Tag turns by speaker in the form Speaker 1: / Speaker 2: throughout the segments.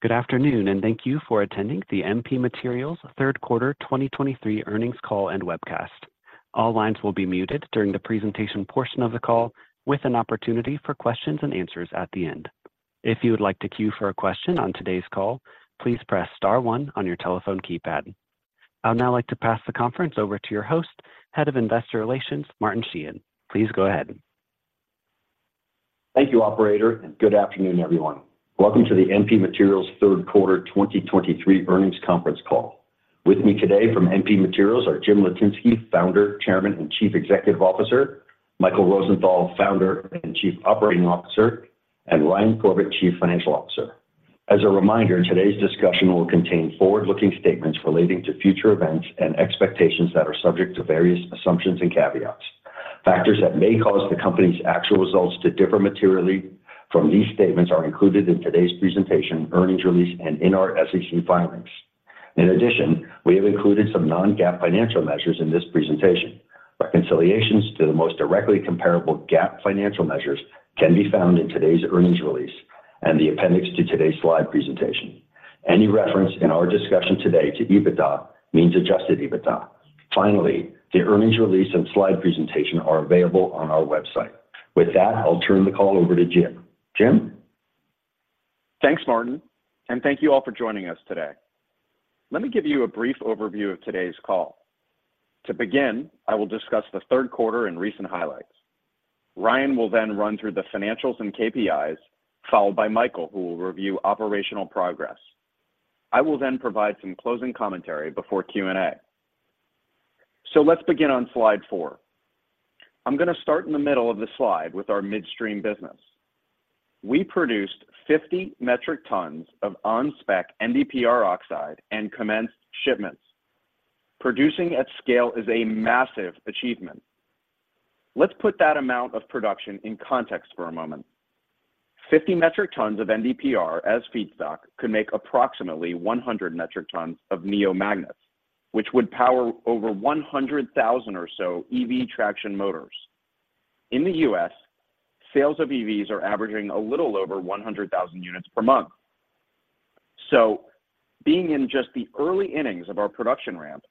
Speaker 1: Good afternoon, and thank you for attending the MP Materials third quarter 2023 earnings call and webcast. All lines will be muted during the presentation portion of the call, with an opportunity for questions and answers at the end. If you would like to queue for a question on today's call, please press star one on your telephone keypad. I'll now like to pass the conference over to your host, Head of Investor Relations, Martin Sheehan. Please go ahead.
Speaker 2: Thank you, operator, and good afternoon, everyone. Welcome to the MP Materials third quarter 2023 earnings conference call. With me today from MP Materials are Jim Litinsky, Founder, Chairman, and Chief Executive Officer; Michael Rosenthal, Founder and Chief Operating Officer; and Ryan Corbett, Chief Financial Officer. As a reminder, today's discussion will contain forward-looking statements relating to future events and expectations that are subject to various assumptions and caveats. Factors that may cause the company's actual results to differ materially from these statements are included in today's presentation, earnings release, and in our SEC filings. In addition, we have included some non-GAAP financial measures in this presentation. Reconciliations to the most directly comparable GAAP financial measures can be found in today's earnings release and the appendix to today's slide presentation. Any reference in our discussion today to EBITDA means adjusted EBITDA. Finally, the earnings release and slide presentation are available on our website. With that, I'll turn the call over to Jim. Jim?
Speaker 3: Thanks, Martin, and thank you all for joining us today. Let me give you a brief overview of today's call. To begin, I will discuss the third quarter and recent highlights. Ryan will then run through the financials and KPIs, followed by Michael, who will review operational progress. I will then provide some closing commentary before Q&A. So let's begin on slide four. I'm gonna start in the middle of the slide with our midstream business. We produced 50 metric tons of on-spec NdPr oxide and commenced shipments. Producing at scale is a massive achievement. Let's put that amount of production in context for a moment. 50 metric tons of NdPr as feedstock could make approximately 100 metric tons of neo magnets, which would power over 100,000 or so EV traction motors. In the U.S., sales of EVs are averaging a little over 100,000 units per month. Being in just the early innings of our production ramp,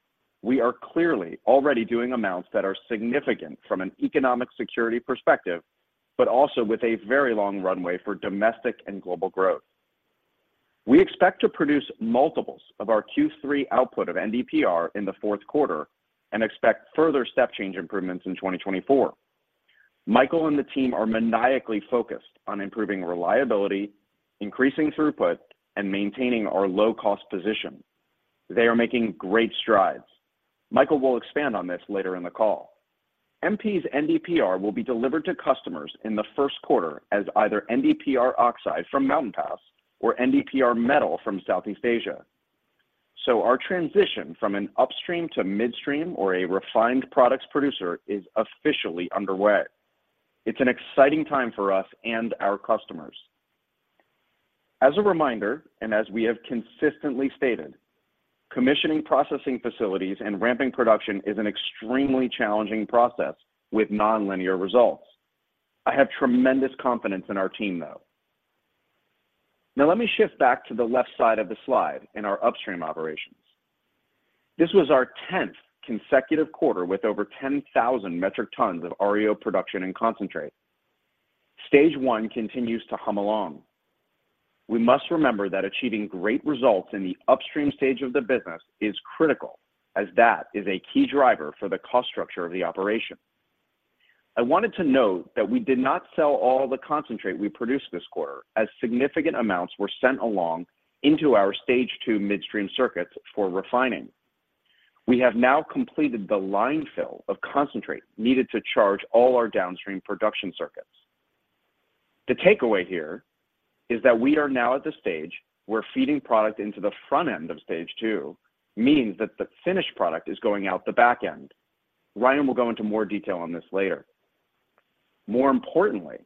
Speaker 3: we are clearly already doing amounts that are significant from an economic security perspective, but also with a very long runway for domestic and global growth. We expect to produce multiples of our Q3 output of NdPr in the fourth quarter and expect further step change improvements in 2024. Michael and the team are maniacally focused on improving reliability, increasing throughput, and maintaining our low-cost position. They are making great strides. Michael will expand on this later in the call. MP's NdPr will be delivered to customers in the first quarter as either NdPr oxide from Mountain Pass or NdPr metal from Southeast Asia. Our transition from an Upstream to midstream or a refined products producer is officially underway. It's an exciting time for us and our customers. As a reminder, and as we have consistently stated, commissioning processing facilities and ramping production is an extremely challenging process with nonlinear results. I have tremendous confidence in our team, though. Now, let me shift back to the left side of the slide in our Upstream operations. This was our 10th consecutive quarter with over 10,000 metric tons of REO production and concentrate. Stage I continues to hum along. We must remember that achieving great results in the Upstream stage of the business is critical, as that is a key driver for the cost structure of the operation. I wanted to note that we did not sell all the concentrate we produced this quarter, as significant amounts were sent along into our Stage II midstream circuits for refining. We have now completed the line fill of concentrate needed to charge all our downstream production circuits. The takeaway here is that we are now at the stage where feeding product into the front end of Stage II means that the finished product is going out the back end. Ryan will go into more detail on this later. More importantly,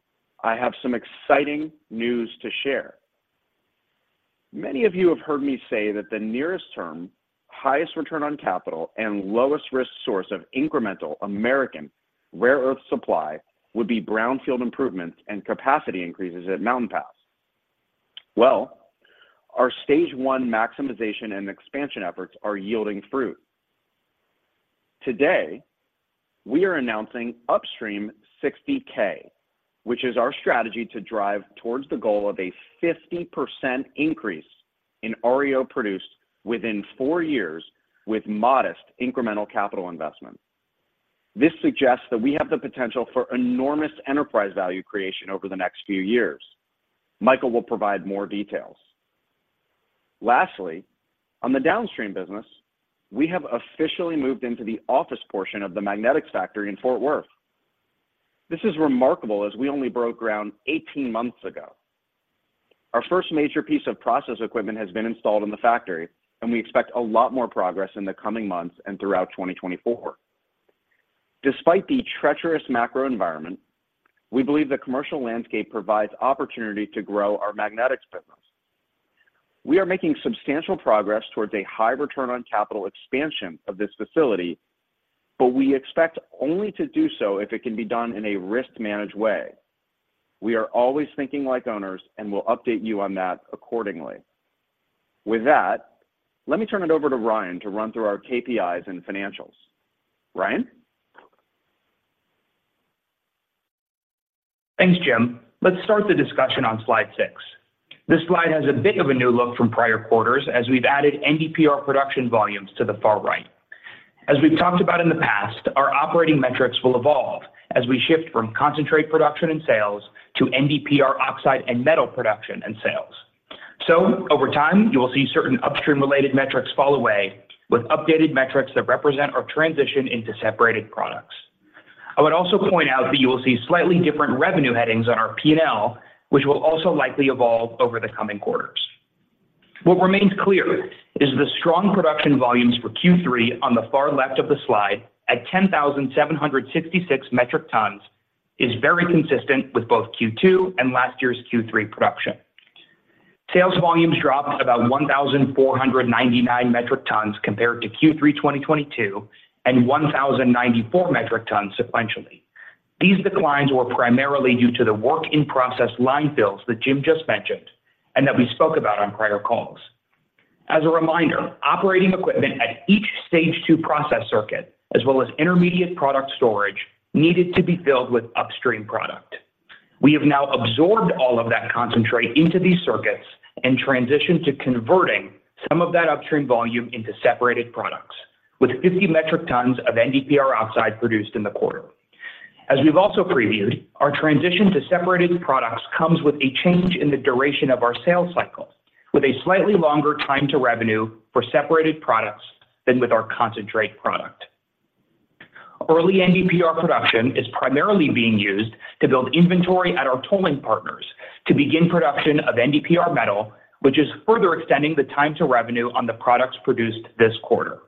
Speaker 3: I have some exciting news to share. Many of you have heard me say that the nearest term, highest return on capital, and lowest risk source of incremental American rare earth supply would be brownfield improvements and capacity increases at Mountain Pass. Well, our Stage I maximization and expansion efforts are yielding fruit. Today, we are announcing Upstream 60K, which is our strategy to drive towards the goal of a 50% increase in REO produced within four years with modest incremental capital investment. This suggests that we have the potential for enormous enterprise value creation over the next few years. Michael will provide more details. Lastly, on the downstream business, we have officially moved into the office portion of the magnetics factory in Fort Worth. This is remarkable as we only broke ground 18 months ago. Our first major piece of process equipment has been installed in the factory, and we expect a lot more progress in the coming months and throughout 2024. Despite the treacherous macro environment, we believe the commercial landscape provides opportunity to grow our magnetics business. We are making substantial progress towards a high return on capital expansion of this facility, but we expect only to do so if it can be done in a risk-managed way. We are always thinking like owners, and we'll update you on that accordingly. With that, let me turn it over to Ryan to run through our KPIs and financials. Ryan?
Speaker 4: Thanks, Jim. Let's start the discussion on slide six. This slide has a bit of a new look from prior quarters as we've added NdPr production volumes to the far right. As we've talked about in the past, our operating metrics will evolve as we shift from concentrate production and sales to NdPr oxide and metal production and sales. Over time, you will see certain Upstream-related metrics fall away, with updated metrics that represent our transition into separated products. I would also point out that you will see slightly different revenue headings on our P&L, which will also likely evolve over the coming quarters. What remains clear is the strong production volumes for Q3 on the far left of the slide at 10,766 metric tons, is very consistent with both Q2 and last year's Q3 production. Sales volumes dropped about 1,499 metric tons compared to Q3 2022, and 1,094 metric tons sequentially. These declines were primarily due to the work-in-process line fills that Jim just mentioned, and that we spoke about on prior calls. As a reminder, operating equipment at each Stage II process circuit, as well as intermediate product storage, needed to be filled with Upstream product. We have now absorbed all of that concentrate into these circuits and transitioned to converting some of that Upstream volume into separated products, with 50 metric tons of NdPr oxide produced in the quarter. As we've also previewed, our transition to separated products comes with a change in the duration of our sales cycle, with a slightly longer time to revenue for separated products than with our concentrate product. Early NdPr production is primarily being used to build inventory at our tolling partners to begin production of NdPr metal, which is further extending the time to revenue on the products produced this quarter.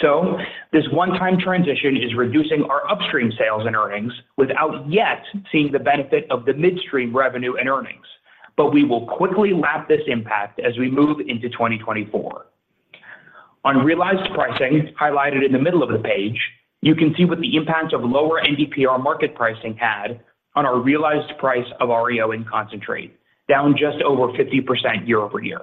Speaker 4: So this one-time transition is reducing our Upstream sales and earnings without yet seeing the benefit of the midstream revenue and earnings. But we will quickly lap this impact as we move into 2024. On realized pricing, highlighted in the middle of the page, you can see what the impact of lower NdPr market pricing had on our realized price of REO in concentrate, down just over 50% year-over-year.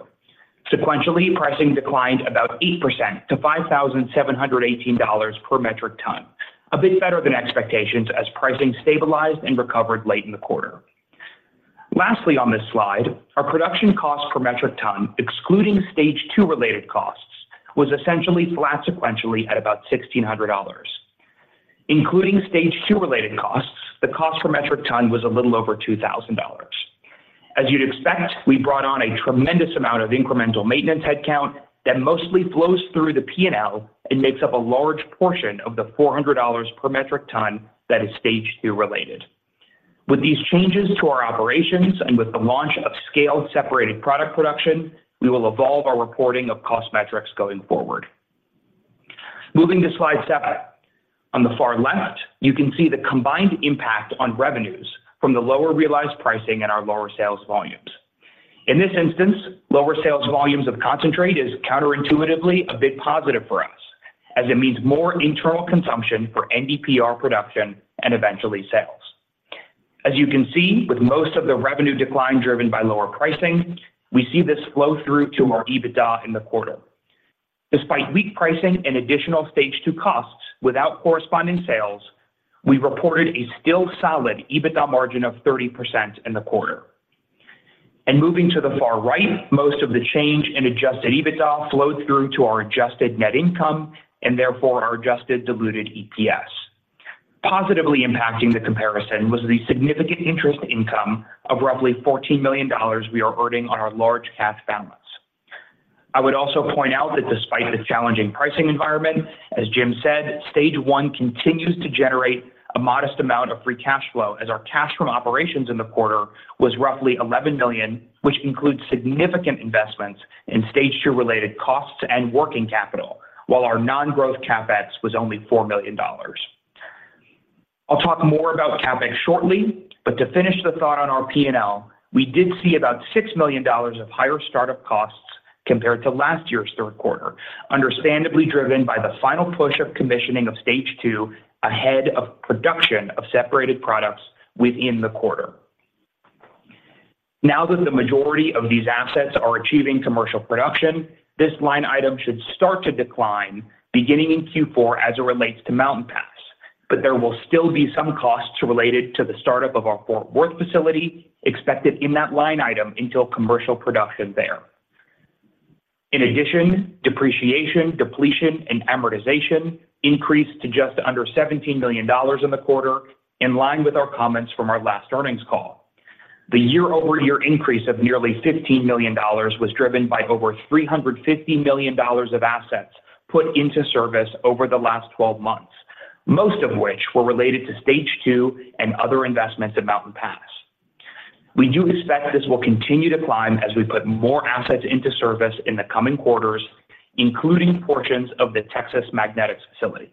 Speaker 4: Sequentially, pricing declined about 8% to $5,718 per metric ton. A bit better than expectations as pricing stabilized and recovered late in the quarter. Lastly, on this slide, our production cost per metric ton, excluding Stage II-related costs, was essentially flat sequentially at about $1,600. Including Stage II-related costs, the cost per metric ton was a little over $2,000. As you'd expect, we brought on a tremendous amount of incremental maintenance headcount that mostly flows through the P&L and makes up a large portion of the $400 per metric ton that is Stage II related. With these changes to our operations and with the launch of scaled, separated product production, we will evolve our reporting of cost metrics going forward. Moving to slide seven. On the far left, you can see the combined impact on revenues from the lower realized pricing and our lower sales volumes. In this instance, lower sales volumes of concentrate is counterintuitively a big positive for us, as it means more internal consumption for NdPr production and eventually sales. As you can see, with most of the revenue decline driven by lower pricing, we see this flow through to our EBITDA in the quarter. Despite weak pricing and additional Stage II costs without corresponding sales, we reported a still solid EBITDA margin of 30% in the quarter. Moving to the far right, most of the change in adjusted EBITDA flowed through to our adjusted net income and therefore our adjusted diluted EPS. Positively impacting the comparison was the significant interest income of roughly $14 million we are earning on our large cash balance. I would also point out that despite the challenging pricing environment, as Jim said, Stage I continues to generate a modest amount of free cash flow, as our cash from operations in the quarter was roughly $11 million, which includes significant investments in Stage II-related costs and working capital, while our non-growth CapEx was only $4 million. I'll talk more about CapEx shortly, but to finish the thought on our P&L, we did see about $6 million of higher startup costs compared to last year's third quarter, understandably driven by the final push of commissioning of Stage II ahead of production of separated products within the quarter. Now that the majority of these assets are achieving commercial production, this line item should start to decline beginning in Q4 as it relates to Mountain Pass, but there will still be some costs related to the startup of our Fort Worth facility expected in that line item until commercial production there. In addition, depreciation, depletion, and amortization increased to just under $17 million in the quarter, in line with our comments from our last earnings call. The year-over-year increase of nearly $15 million was driven by over $350 million of assets put into service over the last 12 months, most of which were related to Stage II and other investments at Mountain Pass. We do expect this will continue to climb as we put more assets into service in the coming quarters, including portions of the Texas Magnetics facility....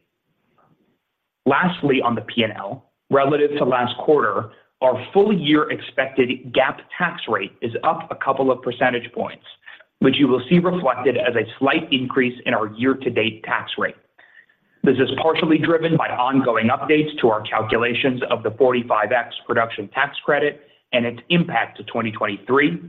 Speaker 4: Lastly, on the P&L, relative to last quarter, our full year expected GAAP tax rate is up a couple of percentage points, which you will see reflected as a slight increase in our year-to-date tax rate. This is partially driven by ongoing updates to our calculations of the 45X Production Tax Credit and its impact to 2023,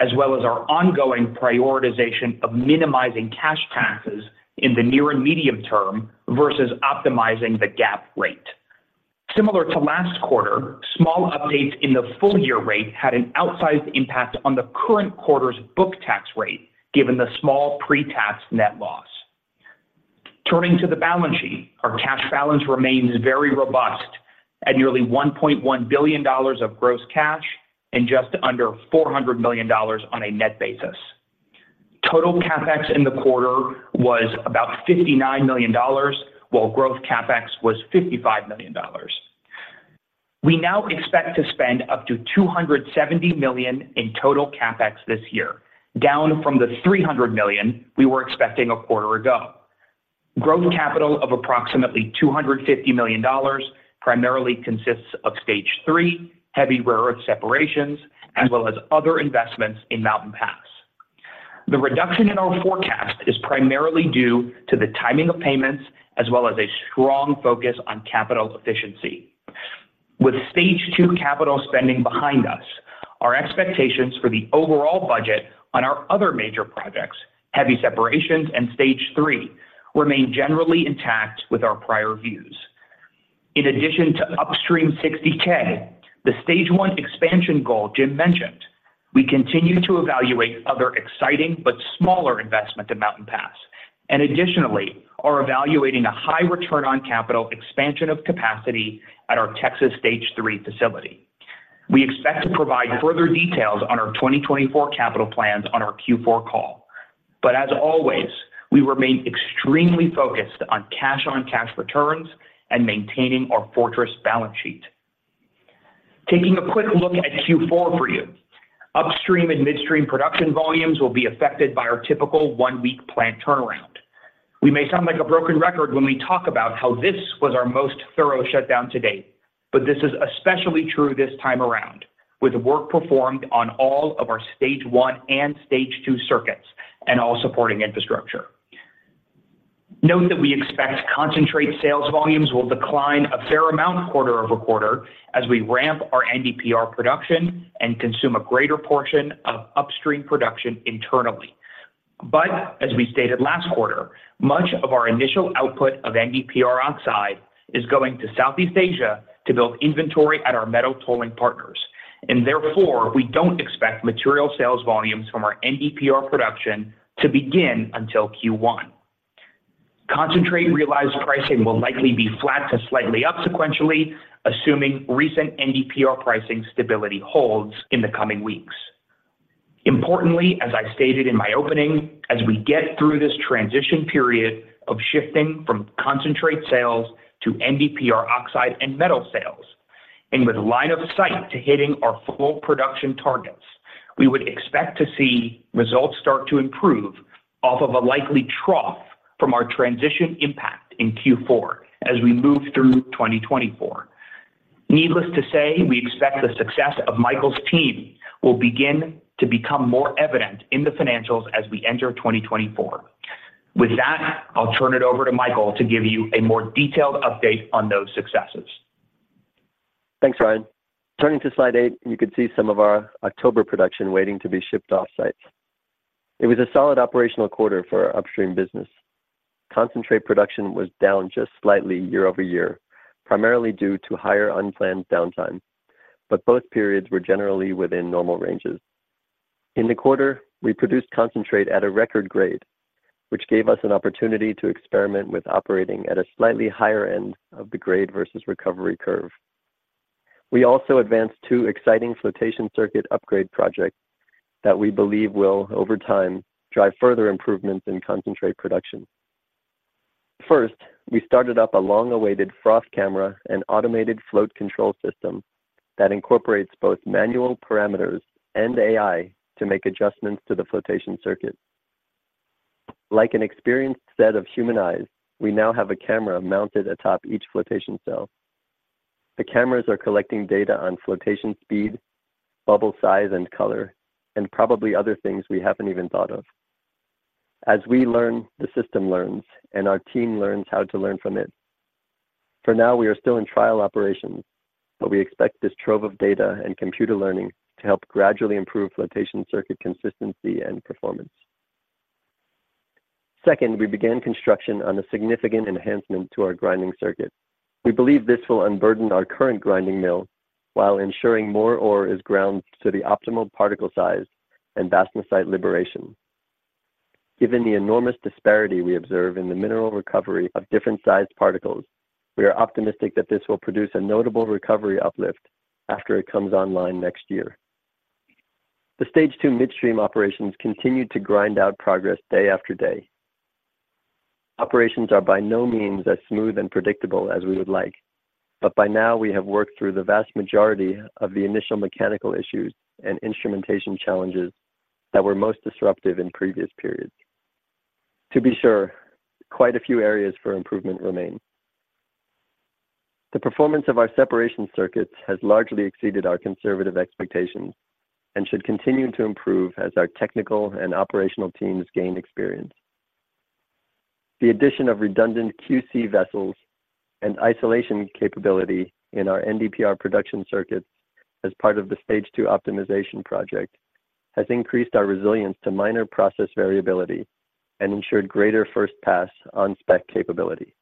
Speaker 4: as well as our ongoing prioritization of minimizing cash taxes in the near and medium term versus optimizing the GAAP rate. Similar to last quarter, small updates in the full year rate had an outsized impact on the current quarter's book tax rate, given the small pre-tax net loss. Turning to the balance sheet, our cash balance remains very robust at nearly $1.1 billion of gross cash and just under $400 million on a net basis. Total CapEx in the quarter was about $59 million, while growth CapEx was $55 million. We now expect to spend up to $270 million in total CapEx this year, down from the $300 million we were expecting a quarter ago. Growth capital of approximately $250 million primarily consists of Stage III, heavy rare earth separations, as well as other investments in Mountain Pass. The reduction in our forecast is primarily due to the timing of payments, as well as a strong focus on capital efficiency. With Stage II capital spending behind us, our expectations for the overall budget on our other major projects, heavy separations and Stage III, remain generally intact with our prior views. In addition to Upstream 60K, the Stage I expansion goal Jim mentioned, we continue to evaluate other exciting but smaller investment in Mountain Pass, and additionally, are evaluating a high return on capital expansion of capacity at our Texas Stage III facility. We expect to provide further details on our 2024 capital plans on our Q4 call. But as always, we remain extremely focused on cash-on-cash returns and maintaining our fortress balance sheet. Taking a quick look at Q4 for you, Upstream and midstream production volumes will be affected by our typical one-week plant turnaround. We may sound like a broken record when we talk about how this was our most thorough shutdown to date, but this is especially true this time around, with work performed on all of our Stage I and Stage II circuits and all supporting infrastructure. Note that we expect concentrate sales volumes will decline a fair amount quarter-over-quarter as we ramp our NdPr production and consume a greater portion of Upstream production internally. But as we stated last quarter, much of our initial output of NdPr oxide is going to Southeast Asia to build inventory at our metal tolling partners, and therefore, we don't expect material sales volumes from our NdPr production to begin until Q1. Concentrate realized pricing will likely be flat to slightly up sequentially, assuming recent NdPr pricing stability holds in the coming weeks. Importantly, as I stated in my opening, as we get through this transition period of shifting from concentrate sales to NdPr oxide and metal sales, and with line of sight to hitting our full production targets, we would expect to see results start to improve off of a likely trough from our transition impact in Q4 as we move through 2024. Needless to say, we expect the success of Michael's team will begin to become more evident in the financials as we enter 2024. With that, I'll turn it over to Michael to give you a more detailed update on those successes.
Speaker 5: Thanks, Ryan. Turning to slide eight, you can see some of our October production waiting to be shipped off-site. It was a solid operational quarter for our Upstream business. Concentrate production was down just slightly year-over-year, primarily due to higher unplanned downtime, but both periods were generally within normal ranges. In the quarter, we produced concentrate at a record grade, which gave us an opportunity to experiment with operating at a slightly higher end of the grade versus recovery curve. We also advanced two exciting flotation circuit upgrade projects that we believe will, over time, drive further improvements in concentrate production. First, we started up a long-awaited frost camera and automated float control system that incorporates both manual parameters and AI to make adjustments to the flotation circuit. Like an experienced set of human eyes, we now have a camera mounted atop each flotation cell. The cameras are collecting data on flotation speed, bubble size, and color, and probably other things we haven't even thought of. As we learn, the system learns, and our team learns how to learn from it. For now, we are still in trial operations, but we expect this trove of data and computer learning to help gradually improve flotation circuit consistency and performance. Second, we began construction on a significant enhancement to our grinding circuit. We believe this will unburden our current grinding mill while ensuring more ore is ground to the optimal particle size and Bastnäsite liberation. Given the enormous disparity we observe in the mineral recovery of different sized particles, we are optimistic that this will produce a notable recovery uplift after it comes online next year. The Stage II midstream operations continued to grind out progress day after day. Operations are by no means as smooth and predictable as we would like, but by now we have worked through the vast majority of the initial mechanical issues and instrumentation challenges that were most disruptive in previous periods. To be sure, quite a few areas for improvement remain. The performance of our separation circuits has largely exceeded our conservative expectations and should continue to improve as our technical and operational teams gain experience. The addition of redundant QC vessels and isolation capability in our NdPr production circuits as part of the Stage II optimization project has increased our resilience to minor process variability and ensured greater first pass on spec capability.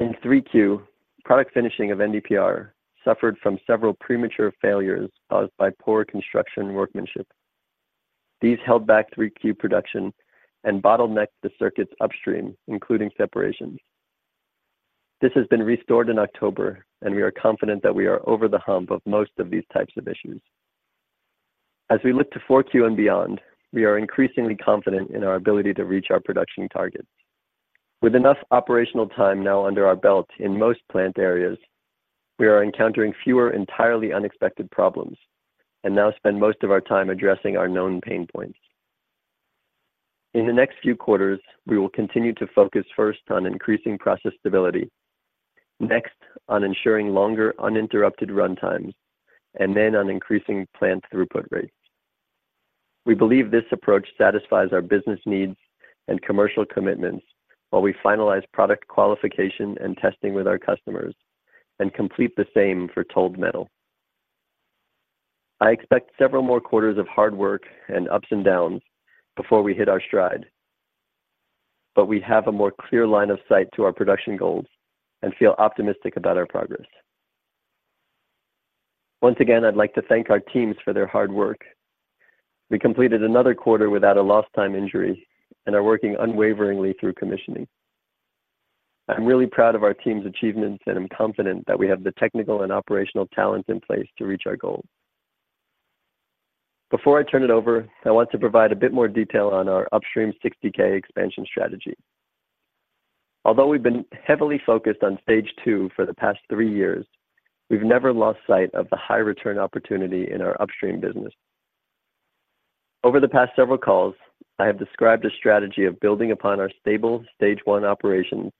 Speaker 5: In 3Q, product finishing of NdPr suffered from several premature failures caused by poor construction workmanship. These held back 3Q production and bottlenecked the circuits Upstream, including separations. This has been restored in October, and we are confident that we are over the hump of most of these types of issues. As we look to 4Q and beyond, we are increasingly confident in our ability to reach our production targets. With enough operational time now under our belt in most plant areas, we are encountering fewer entirely unexpected problems, and now spend most of our time addressing our known pain points. In the next few quarters, we will continue to focus first on increasing process stability, next, on ensuring longer, uninterrupted runtimes, and then on increasing plant throughput rates. We believe this approach satisfies our business needs and commercial commitments while we finalize product qualification and testing with our customers and complete the same for toll metal. I expect several more quarters of hard work and ups and downs before we hit our stride, but we have a more clear line of sight to our production goals and feel optimistic about our progress. Once again, I'd like to thank our teams for their hard work. We completed another quarter without a lost time injury and are working unwaveringly through commissioning. I'm really proud of our team's achievements, and I'm confident that we have the technical and operational talent in place to reach our goals. Before I turn it over, I want to provide a bit more detail on our Upstream 60K expansion strategy. Although we've been heavily focused on Stage II for the past three years, we've never lost sight of the high return opportunity in our Upstream business. Over the past several calls, I have described a strategy of building upon our stable Stage I operations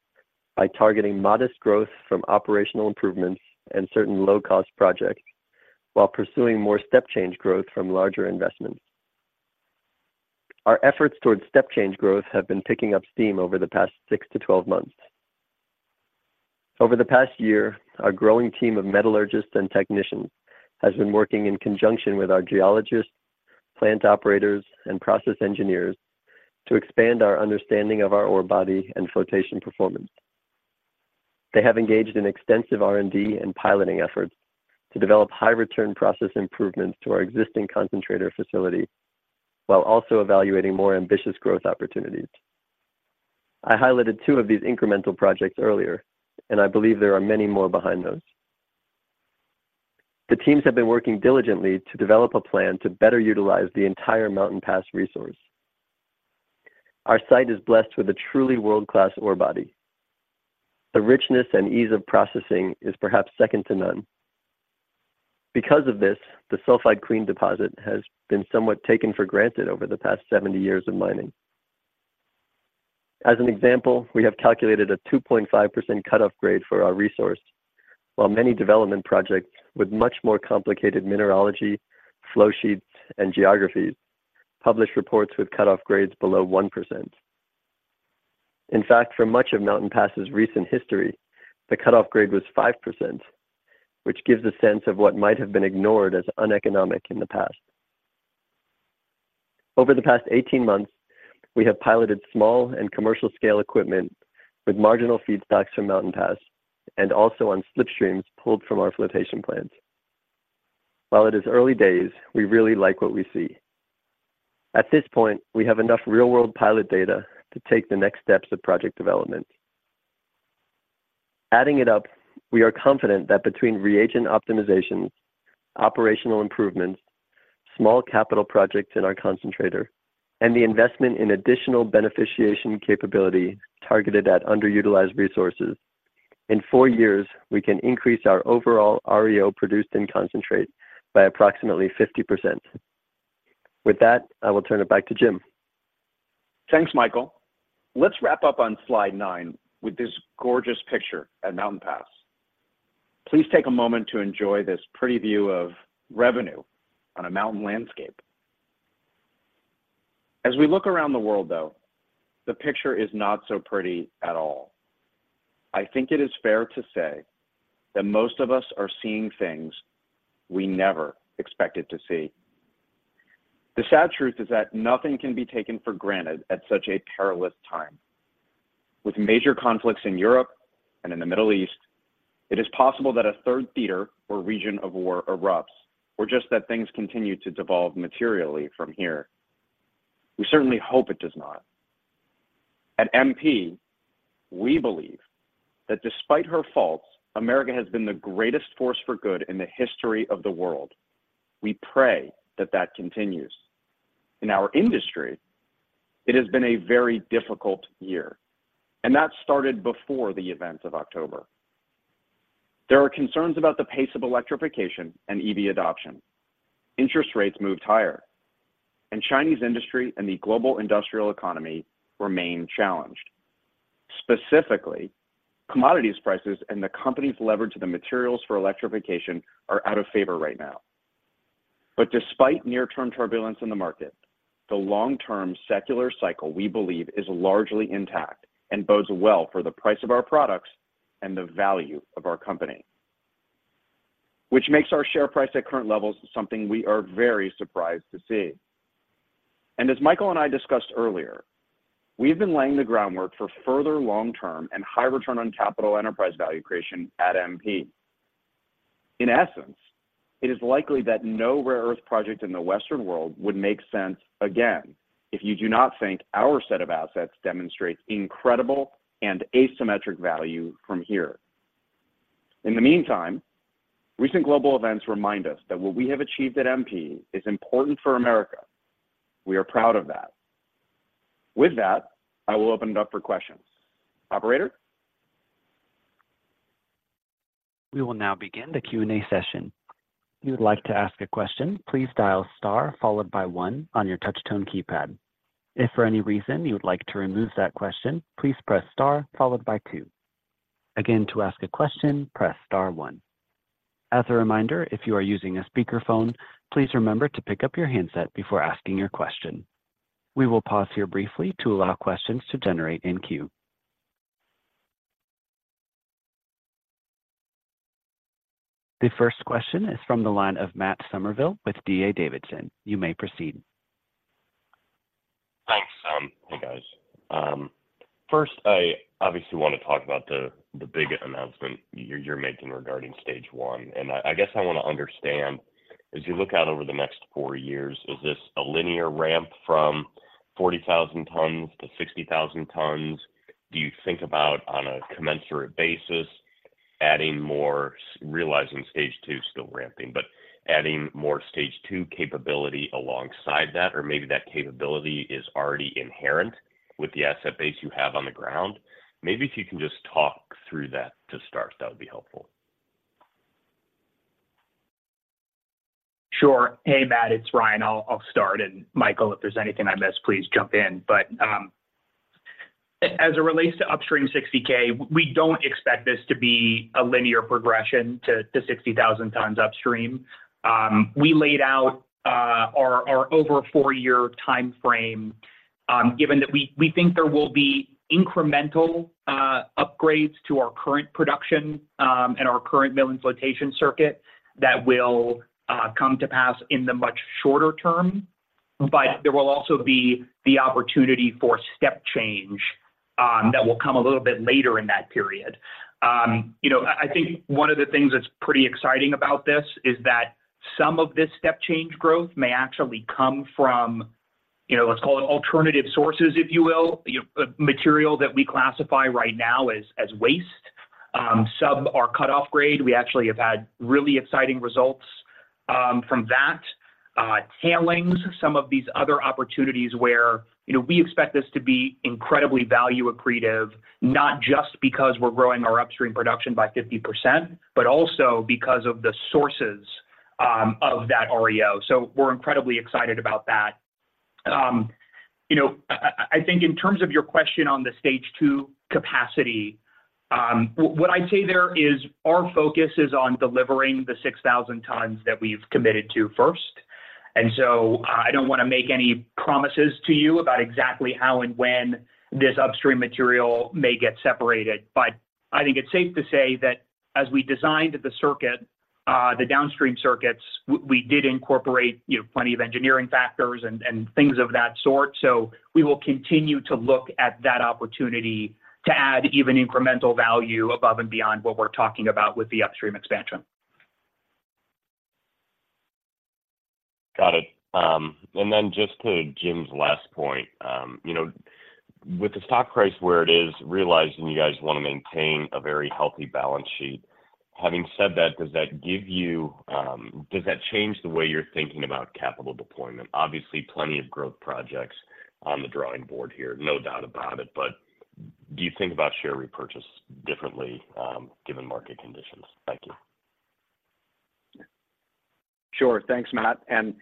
Speaker 5: by targeting modest growth from operational improvements and certain low-cost projects, while pursuing more step change growth from larger investments. Our efforts towards step change growth have been picking up steam over the past six to 12 months. Over the past year, our growing team of metallurgists and technicians has been working in conjunction with our geologists, plant operators, and process engineers to expand our understanding of our ore body and flotation performance. They have engaged in extensive R&D and piloting efforts to develop high return process improvements to our existing concentrator facility, while also evaluating more ambitious growth opportunities. I highlighted two of these incremental projects earlier, and I believe there are many more behind those. The teams have been working diligently to develop a plan to better utilize the entire Mountain Pass resource. Our site is blessed with a truly world-class ore body. The richness and ease of processing is perhaps second to none. Because of this, the sulfide clean deposit has been somewhat taken for granted over the past 70 years of mining. As an example, we have calculated a 2.5% cutoff grade for our resource, while many development projects with much more complicated mineralogy, flow sheets, and geographies publish reports with cutoff grades below 1%. In fact, for much of Mountain Pass's recent history, the cutoff grade was 5%, which gives a sense of what might have been ignored as uneconomic in the past. Over the past 18 months, we have piloted small and commercial scale equipment with marginal feedstocks from Mountain Pass and also on slip streams pulled from our flotation plants. While it is early days, we really like what we see. At this point, we have enough real-world pilot data to take the next steps of project development. Adding it up, we are confident that between reagent optimizations, operational improvements, small capital projects in our concentrator, and the investment in additional beneficiation capability targeted at underutilized resources, in 4 years, we can increase our overall AEO produced in concentrate by approximately 50%. With that, I will turn it back to Jim.
Speaker 3: Thanks, Michael. Let's wrap up on slide nine with this gorgeous picture at Mountain Pass. Please take a moment to enjoy this pretty view of revenue on a mountain landscape. As we look around the world, though, the picture is not so pretty at all. I think it is fair to say that most of us are seeing things we never expected to see. The sad truth is that nothing can be taken for granted at such a perilous time. With major conflicts in Europe and in the Middle East, it is possible that a third theater or region of war erupts, or just that things continue to devolve materially from here. We certainly hope it does not. At MP, we believe that despite her faults, America has been the greatest force for good in the history of the world. We pray that that continues. In our industry, it has been a very difficult year, and that started before the events of October. There are concerns about the pace of electrification and EV adoption. Interest rates moved higher, and Chinese industry and the global industrial economy remain challenged. Specifically, commodities prices and the company's leverage to the materials for electrification are out of favor right now. But despite near-term turbulence in the market, the long-term secular cycle, we believe, is largely intact and bodes well for the price of our products and the value of our company, which makes our share price at current levels something we are very surprised to see. And as Michael and I discussed earlier, we've been laying the groundwork for further long-term and high return on capital enterprise value creation at MP. In essence, it is likely that no rare earth project in the Western world would make sense again, if you do not think our set of assets demonstrates incredible and asymmetric value from here. In the meantime, recent global events remind us that what we have achieved at MP is important for America. We are proud of that. With that, I will open it up for questions. Operator?
Speaker 1: We will now begin the Q&A session. If you would like to ask a question, please dial star followed by one on your touch tone keypad. If for any reason you would like to remove that question, please press star followed by two. Again, to ask a question, press star one. As a reminder, if you are using a speakerphone, please remember to pick up your handset before asking your question. We will pause here briefly to allow questions to generate in queue. The first question is from the line of Matt Summerville with D.A. Davidson. You may proceed.
Speaker 6: Thanks. Hey, guys. First, I obviously want to talk about the, the big announcement you're, you're making regarding Stage I, and I, I guess I want to understand, as you look out over the next four years, is this a linear ramp from 40,000 tons to 60,000 tons? Do you think about on a commensurate basis, adding more, realizing Stage II is still ramping, but adding more Stage II capability alongside that, or maybe that capability is already inherent with the asset base you have on the ground? Maybe if you can just talk through that to start, that would be helpful.
Speaker 4: Sure. Hey, Matt, it's Ryan. I'll, I'll start, and Michael, if there's anything I miss, please jump in. But, as it relates to Upstream 60K, we don't expect this to be a linear progression to, to 60,000 tons Upstream. We laid out, our, our over a four-year time frame, given that we, we think there will be incremental, upgrades to our current production, and our current milling flotation circuit that will, come to pass in the much shorter term, but there will also be the opportunity for step change, that will come a little bit later in that period. You know, I, I think one of the things that's pretty exciting about this is that some of this step change growth may actually come from, you know, let's call it alternative sources, if you will. You know, material that we classify right now as waste. Some are cutoff grade. We actually have had really exciting results from that tailings. Some of these other opportunities where, you know, we expect this to be incredibly value accretive, not just because we're growing our Upstream production by 50%, but also because of the sources of that REO. So we're incredibly excited about that. You know, I think in terms of your question on the Stage II capacity, what I'd say there is our focus is on delivering the 6,000 tons that we've committed to first. So I don't want to make any promises to you about exactly how and when this Upstream material may get separated, but I think it's safe to say that as we designed the circuit, the downstream circuits, we did incorporate, you know, plenty of engineering factors and things of that sort. So we will continue to look at that opportunity to add even incremental value above and beyond what we're talking about with the Upstream expansion.
Speaker 6: Got it. And then just to Jim's last point, you know, with the stock price where it is, realizing you guys want to maintain a very healthy balance sheet. Having said that, does that give you, does that change the way you're thinking about capital deployment? Obviously, plenty of growth projects on the drawing board here, no doubt about it, but do you think about share repurchase differently, given market conditions? Thank you.
Speaker 3: Sure. Thanks, Matt. And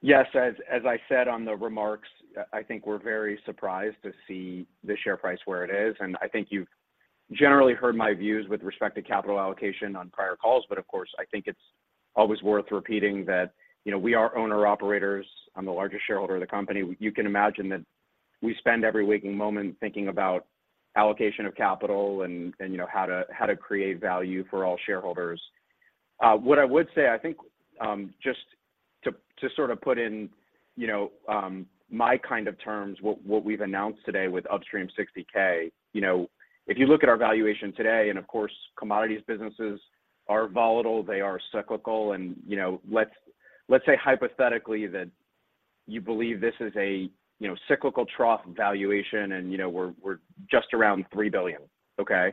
Speaker 3: yes, as I said on the remarks, I think we're very surprised to see the share price where it is, and I think you've generally heard my views with respect to capital allocation on prior calls. But of course, I think it's always worth repeating that, you know, we are owner-operators. I'm the largest shareholder of the company. You can imagine that we spend every waking moment thinking about allocation of capital and, you know, how to create value for all shareholders. What I would say, I think, just to sort of put in, you know, my kind of terms, what we've announced today with Upstream 60K. You know, if you look at our valuation today, and of course, commodities businesses are volatile, they are cyclical, and, you know, let's, let's say hypothetically that you believe this is a, you know, cyclical trough valuation, and, you know, we're, we're just around $3 billion, okay?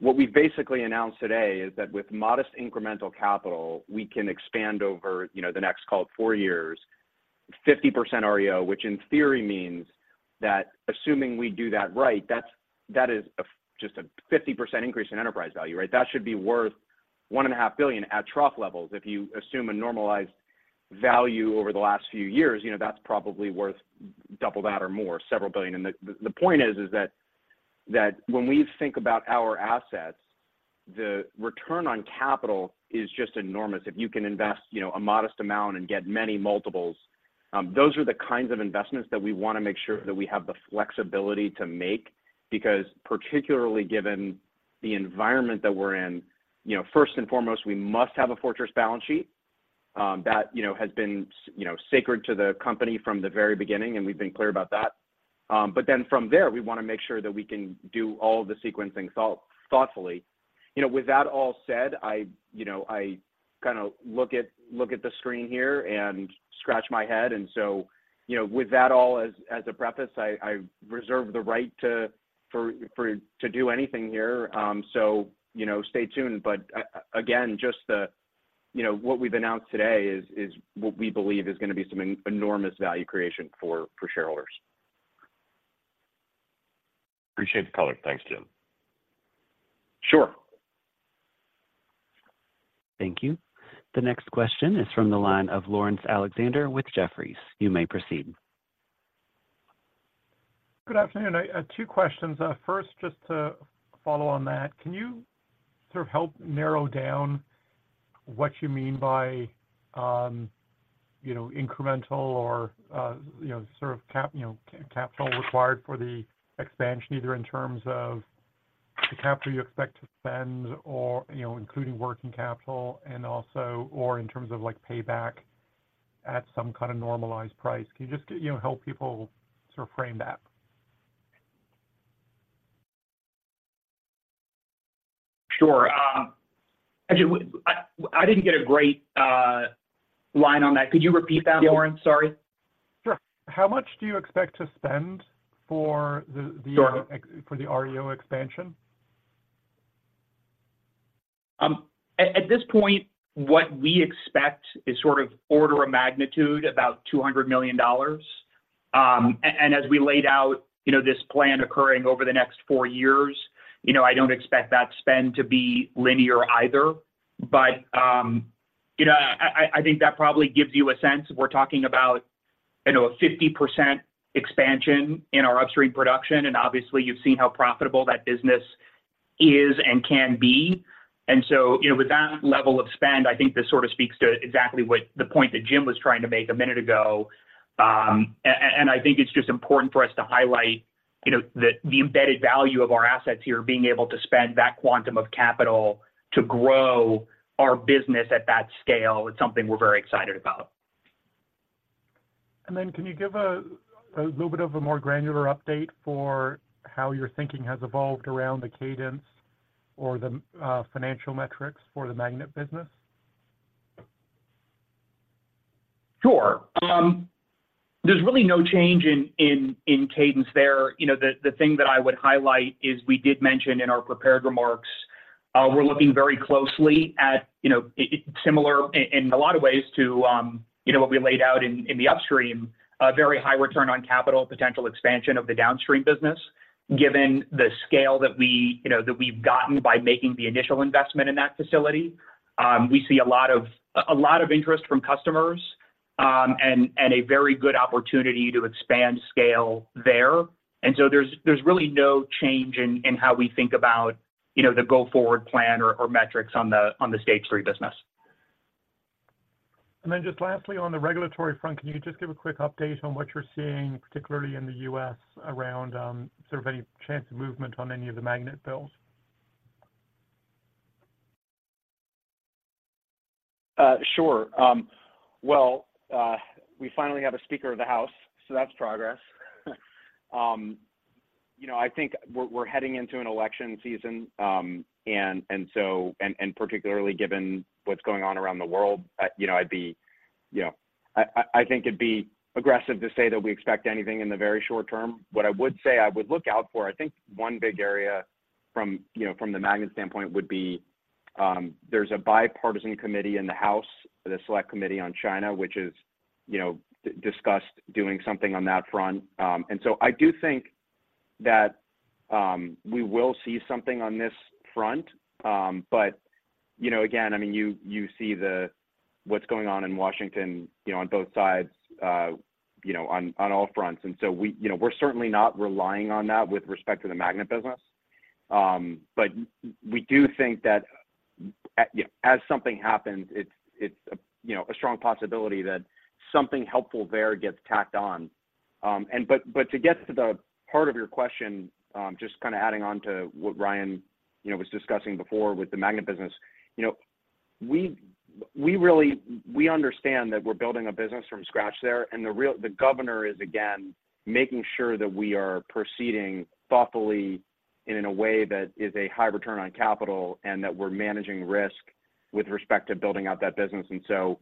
Speaker 3: What we basically announced today is that with modest incremental capital, we can expand over, you know, the next call it four years... 50% REO, which in theory means that assuming we do that right, that's- that is a, just a 50% increase in enterprise value, right? That should be worth $1.5 billion at trough levels. If you assume a normalized value over the last few years, you know, that's probably worth double that or more, several billion. And the point is that when we think about our assets, the return on capital is just enormous. If you can invest, you know, a modest amount and get many multiples, those are the kinds of investments that we want to make sure that we have the flexibility to make, because particularly given the environment that we're in, you know, first and foremost, we must have a fortress balance sheet, that you know has been you know sacred to the company from the very beginning, and we've been clear about that. But then from there, we want to make sure that we can do all the sequencing thoughtfully. You know, with that all said, I you know I kinda look at the screen here and scratch my head. And so, you know, with that all as a preface, I reserve the right to do anything here. So, you know, stay tuned. But again, just the, you know, what we've announced today is what we believe is gonna be some enormous value creation for shareholders.
Speaker 6: Appreciate the color. Thanks, Jim.
Speaker 3: Sure.
Speaker 1: Thank you. The next question is from the line of Laurence Alexander with Jefferies. You may proceed.
Speaker 7: Good afternoon. I, two questions. First, just to follow on that, can you sort of help narrow down what you mean by, you know, incremental or, you know, sort of capital required for the expansion, either in terms of the capital you expect to spend or, you know, including working capital, and also, or in terms of, like, payback at some kind of normalized price? Can you just, you know, help people sort of frame that?
Speaker 4: Sure. Actually, I didn't get a great line on that. Could you repeat that, Laurence? Sorry.
Speaker 7: Sure. How much do you expect to spend for the?
Speaker 4: Sure...
Speaker 7: for the REO expansion?
Speaker 4: At this point, what we expect is sort of order of magnitude, about $200 million. And as we laid out, you know, this plan occurring over the next four years, you know, I don't expect that spend to be linear either. But, you know, I think that probably gives you a sense. We're talking about, you know, a 50% expansion in our Upstream production, and obviously, you've seen how profitable that business is and can be. And so, you know, with that level of spend, I think this sort of speaks to exactly what the point that Jim was trying to make a minute ago. I think it's just important for us to highlight, you know, the embedded value of our assets here, being able to spend that quantum of capital to grow our business at that scale is something we're very excited about.
Speaker 7: And then can you give a little bit of a more granular update for how your thinking has evolved around the cadence or the financial metrics for the magnet business?
Speaker 4: Sure. There's really no change in cadence there. You know, the thing that I would highlight is we did mention in our prepared remarks, we're looking very closely at, you know, similar in a lot of ways to, you know, what we laid out in the Upstream, a very high return on capital, potential expansion of the Downstream business, given the scale that we, you know, that we've gotten by making the initial investment in that facility. We see a lot of, a lot of interest from customers, and a very good opportunity to expand scale there. And so there's really no change in how we think about, you know, the go-forward plan or metrics on the Stage III business.
Speaker 7: Then just lastly, on the regulatory front, can you just give a quick update on what you're seeing, particularly in the U.S., around sort of any chance of movement on any of the magnet bills?
Speaker 3: Sure. Well, we finally have a Speaker of the House, so that's progress. You know, I think we're heading into an election season, and particularly given what's going on around the world, you know, I'd be, you know... I think it'd be aggressive to say that we expect anything in the very short term. What I would say I would look out for, I think one big area from, you know, from the magnet standpoint would be, there's a bipartisan committee in the House, the Select Committee on China, which is, you know, discussed doing something on that front. And so I do think that we will see something on this front. But, you know, again, I mean, you see what's going on in Washington, you know, on both sides, you know, on all fronts. And so we, you know, we're certainly not relying on that with respect to the magnet business. But we do think that, you know, as something happens, it's, you know, a strong possibility that something helpful there gets tacked on. But to get to the heart of your question, just kinda adding on to what Ryan, you know, was discussing before with the magnet business. You know, we really understand that we're building a business from scratch there, and the real governor is, again, making sure that we are proceeding thoughtfully and in a way that is a high return on capital, and that we're managing risk with respect to building out that business. And so,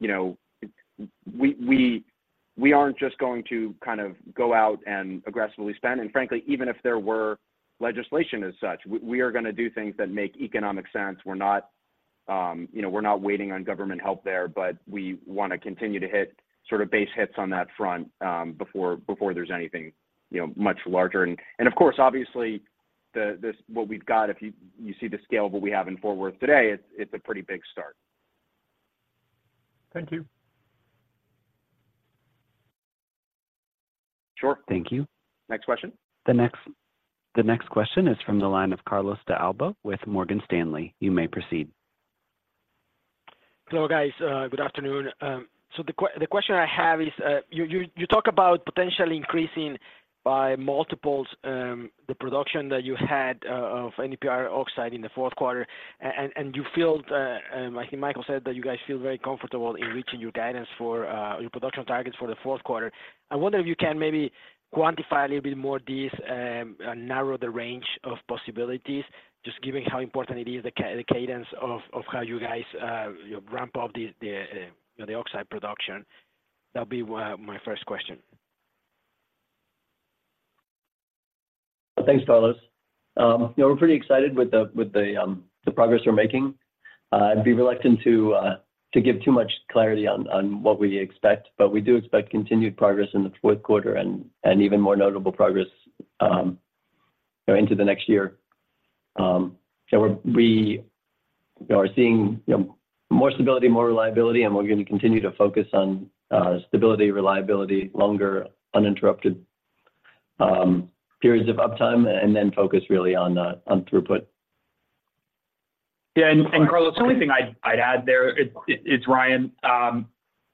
Speaker 3: you know, we... we aren't just going to kind of go out and aggressively spend. And frankly, even if there were legislation as such, we are gonna do things that make economic sense. We're not, you know, we're not waiting on government help there, but we wanna continue to hit sort of base hits on that front, before there's anything, you know, much larger. And, of course, obviously, what we've got, if you see the scale of what we have in Fort Worth today, it's a pretty big start.
Speaker 7: Thank you.
Speaker 4: Sure.
Speaker 1: Thank you.
Speaker 4: Next question.
Speaker 1: The next question is from the line of Carlos de Alba with Morgan Stanley. You may proceed.
Speaker 8: Hello, guys, good afternoon. So the question I have is, you talk about potentially increasing by multiples the production that you had of NdPr oxide in the fourth quarter, and you feel, I think Michael said that you guys feel very comfortable in reaching your guidance for your production targets for the fourth quarter. I wonder if you can maybe quantify a little bit more this and narrow the range of possibilities, just given how important it is, the cadence of how you guys you know ramp up the oxide production. That'll be my first question.
Speaker 5: Thanks, Carlos. You know, we're pretty excited with the progress we're making. I'd be reluctant to give too much clarity on what we expect, but we do expect continued progress in the fourth quarter and even more notable progress, you know, into the next year. So we are seeing, you know, more stability, more reliability, and we're going to continue to focus on stability, reliability, longer uninterrupted periods of uptime, and then focus really on throughput.
Speaker 4: Yeah, Carlos, the only thing I'd add there, it's Ryan.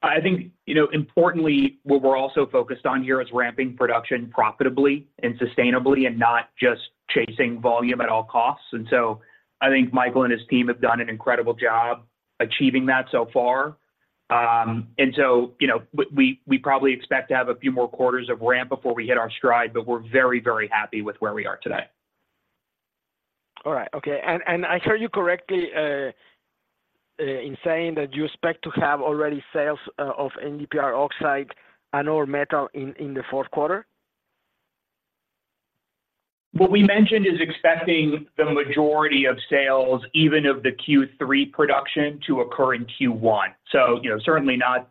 Speaker 4: I think, you know, importantly, what we're also focused on here is ramping production profitably and sustainably, and not just chasing volume at all costs. So I think Michael and his team have done an incredible job achieving that so far. You know, we probably expect to have a few more quarters of ramp before we hit our stride, but we're very, very happy with where we are today.
Speaker 8: All right. Okay. And I heard you correctly in saying that you expect to have already sales of NdPr oxide and, or metal in the fourth quarter?
Speaker 4: What we mentioned is expecting the majority of sales, even of the Q3 production, to occur in Q1. So, you know, certainly not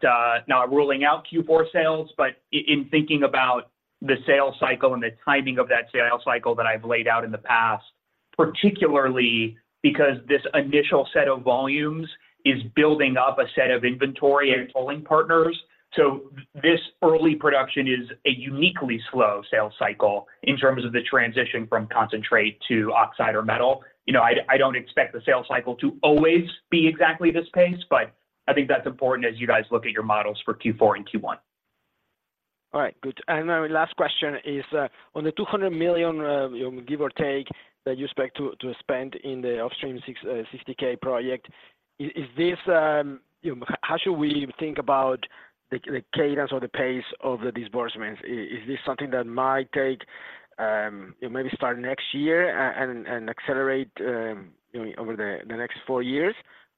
Speaker 4: ruling out Q4 sales, but in thinking about the sales cycle and the timing of that sales cycle that I've laid out in the past, particularly because this initial set of volumes is building up a set of inventory and tolling partners. So this early production is a uniquely slow sales cycle in terms of the transition from concentrate to oxide or metal. You know, I don't expect the sales cycle to always be exactly this pace, but I think that's important as you guys look at your models for Q4 and Q1.
Speaker 8: All right, good. My last question is on the $200 million, give or take, that you expect to spend in the Upstream 60K project. You know, how should we think about the cadence or the pace of the disbursements? Is this something that might take, maybe start next year and accelerate, you know, over the next four years?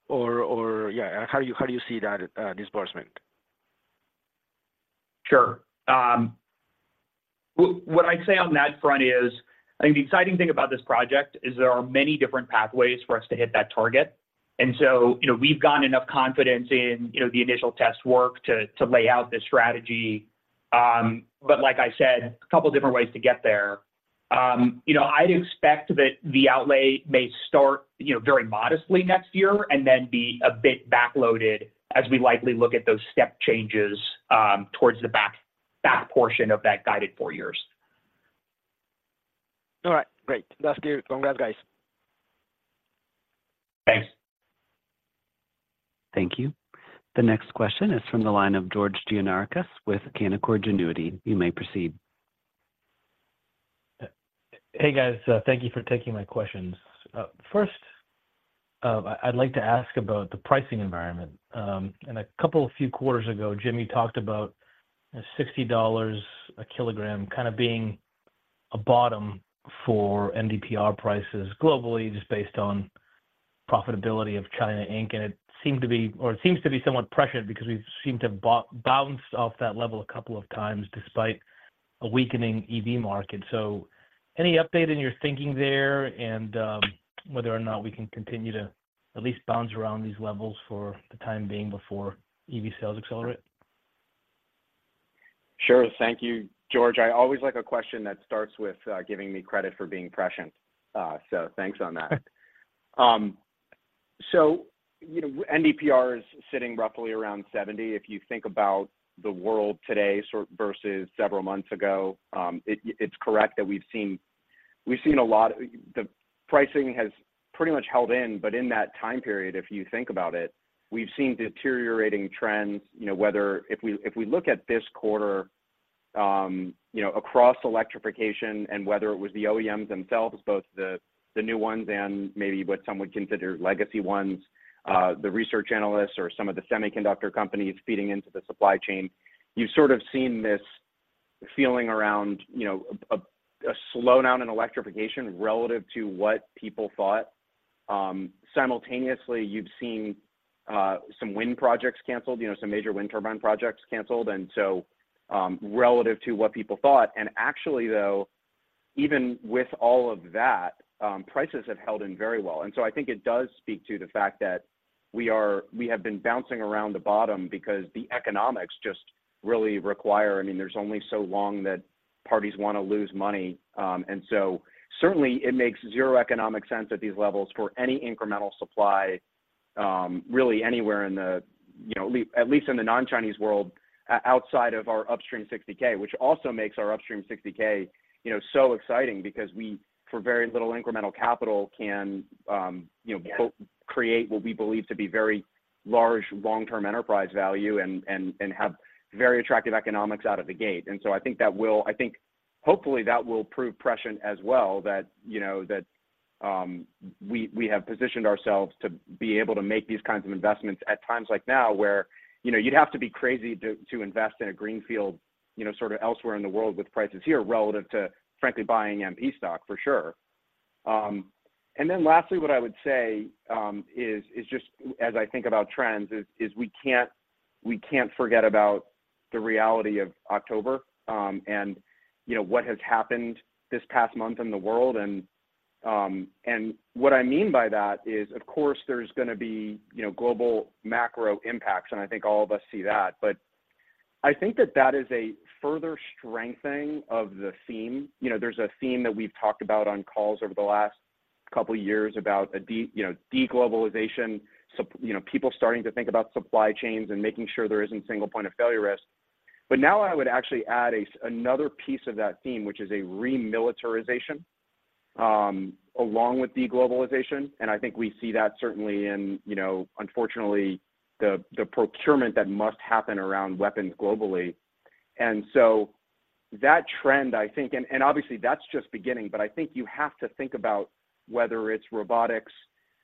Speaker 8: Or, yeah, how do you see that disbursement?
Speaker 4: Sure. What I'd say on that front is, I think the exciting thing about this project is there are many different pathways for us to hit that target. And so, you know, we've gotten enough confidence in, you know, the initial test work to lay out this strategy. But like I said, a couple different ways to get there. You know, I'd expect that the outlay may start, you know, very modestly next year, and then be a bit backloaded as we likely look at those step changes towards the back portion of that guided four years.
Speaker 8: All right, great. Thank you. Congrats, guys.
Speaker 4: Thanks.
Speaker 1: Thank you. The next question is from the line of George Gianarikas with Canaccord Genuity. You may proceed.
Speaker 9: Hey, guys, thank you for taking my questions. First, I'd like to ask about the pricing environment. And a couple of few quarters ago, Jim, you talked about $60 a kilogram kind of being a bottom for NdPr prices globally, just based on profitability of China Inc. And it seemed to be, or it seems to be somewhat prescient because we've seemed to bounce off that level a couple of times, despite a weakening EV market. So any update in your thinking there and whether or not we can continue to at least bounce around these levels for the time being before EV sales accelerate?
Speaker 3: Sure. Thank you, George. I always like a question that starts with giving me credit for being prescient. So thanks on that. So, you know, NdPr is sitting roughly around 70. If you think about the world today sort of versus several months ago, it is correct that we've seen we've seen a lot. The pricing has pretty much held in, but in that time period, if you think about it, we've seen deteriorating trends, you know, whether. If we look at this quarter, you know, across electrification and whether it was the OEMs themselves, both the new ones and maybe what some would consider legacy ones, the research analysts or some of the semiconductor companies feeding into the supply chain, you've sort of seen this feeling around, you know, a slowdown in electrification relative to what people thought. Simultaneously, you've seen some wind projects canceled, you know, some major wind turbine projects canceled, and so, relative to what people thought. And actually, though, even with all of that, prices have held in very well. And so I think it does speak to the fact that we are—we have been bouncing around the bottom because the economics just really require. I mean, there's only so long that parties wanna lose money. Certainly it makes zero economic sense at these levels for any incremental supply, really anywhere in the, you know, at least in the non-Chinese world, outside of our Upstream 60K, which also makes our Upstream 60K, you know, so exciting because we, for very little incremental capital, can, you know, create what we believe to be very large long-term enterprise value and have very attractive economics out of the gate. I think that will—I think hopefully that will prove prescient as well, that, you know, that we have positioned ourselves to be able to make these kinds of investments at times like now, where, you know, you'd have to be crazy to invest in a greenfield, you know, sort of elsewhere in the world with prices here relative to, frankly, buying MP stock, for sure. And then lastly, what I would say is just as I think about trends, we can't forget about the reality of October, and you know, what has happened this past month in the world. And what I mean by that is, of course, there's gonna be, you know, global macro impacts, and I think all of us see that. But I think that that is a further strengthening of the theme. You know, there's a theme that we've talked about on calls over the last couple of years about a deglobalization, you know, people starting to think about supply chains and making sure there isn't single point of failure risk. But now I would actually add another piece of that theme, which is a remilitarization along with deglobalization. And I think we see that certainly in, you know, unfortunately, the procurement that must happen around weapons globally. And so that trend, I think, and obviously that's just beginning, but I think you have to think about whether it's robotics,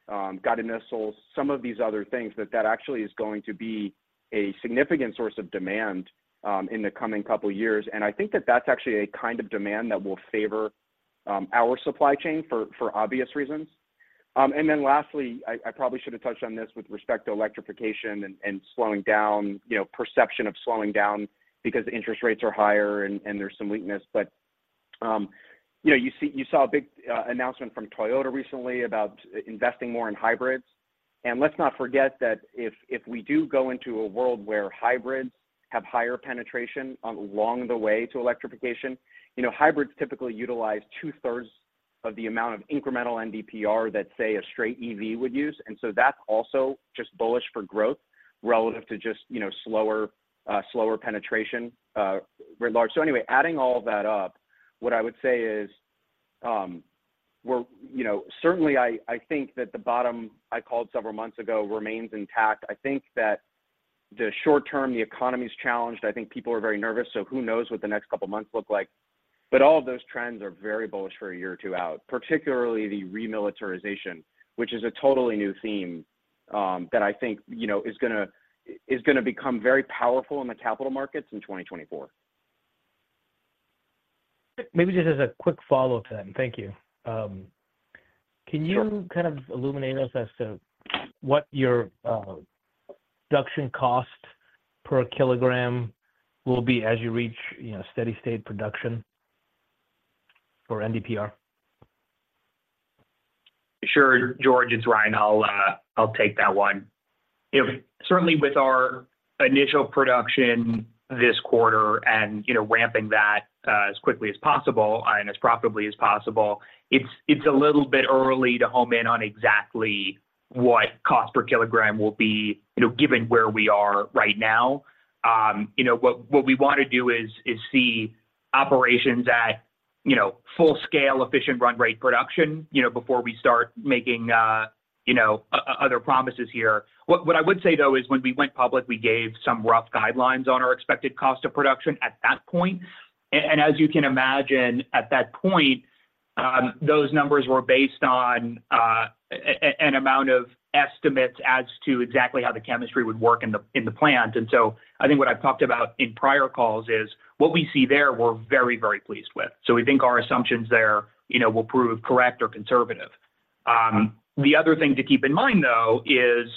Speaker 3: guided missiles, some of these other things, that that actually is going to be a significant source of demand in the coming couple of years. I think that that's actually a kind of demand that will favor our supply chain for obvious reasons. And then lastly, I probably should have touched on this with respect to electrification and slowing down, you know, perception of slowing down because interest rates are higher and there's some weakness. But you know, you saw a big announcement from Toyota recently about investing more in hybrids. And let's not forget that if we do go into a world where hybrids have higher penetration on along the way to electrification, you know, hybrids typically utilize two-thirds of the amount of incremental NdPr that, say, a straight EV would use. And so that's also just bullish for growth relative to just, you know, slower penetration [rebatch]. So anyway, adding all that up, what I would say is, we're-- you know, certainly I, I think that the bottom I called several months ago remains intact. I think that the short term, the economy is challenged. I think people are very nervous, so who knows what the next couple of months look like. But all of those trends are very bullish for a year or two out, particularly the remilitarization, which is a totally new theme, that I think, you know, is gonna, is gonna become very powerful in the capital markets in 2024.
Speaker 9: Maybe just as a quick follow-up to that. Thank you. Can you-
Speaker 3: Sure.
Speaker 9: Kind of illuminate us as to what your production cost per kilogram will be as you reach, you know, steady state production for NdPr?
Speaker 4: Sure, George, it's Ryan. I'll, I'll take that one. You know, certainly with our initial production this quarter and, you know, ramping that, as quickly as possible and as profitably as possible, it's, it's a little bit early to home in on exactly what cost per kilogram will be, you know, given where we are right now. You know, what, what we want to do is, is see operations at, you know, full-scale, efficient run rate production, you know, before we start making, you know, other promises here. What, what I would say, though, is when we went public, we gave some rough guidelines on our expected cost of production at that point. And as you can imagine, at that point, those numbers were based on an amount of estimates as to exactly how the chemistry would work in the plant. And so I think what I've talked about in prior calls is what we see there, we're very, very pleased with. So we think our assumptions there, you know, will prove correct or conservative. The other thing to keep in mind, though, is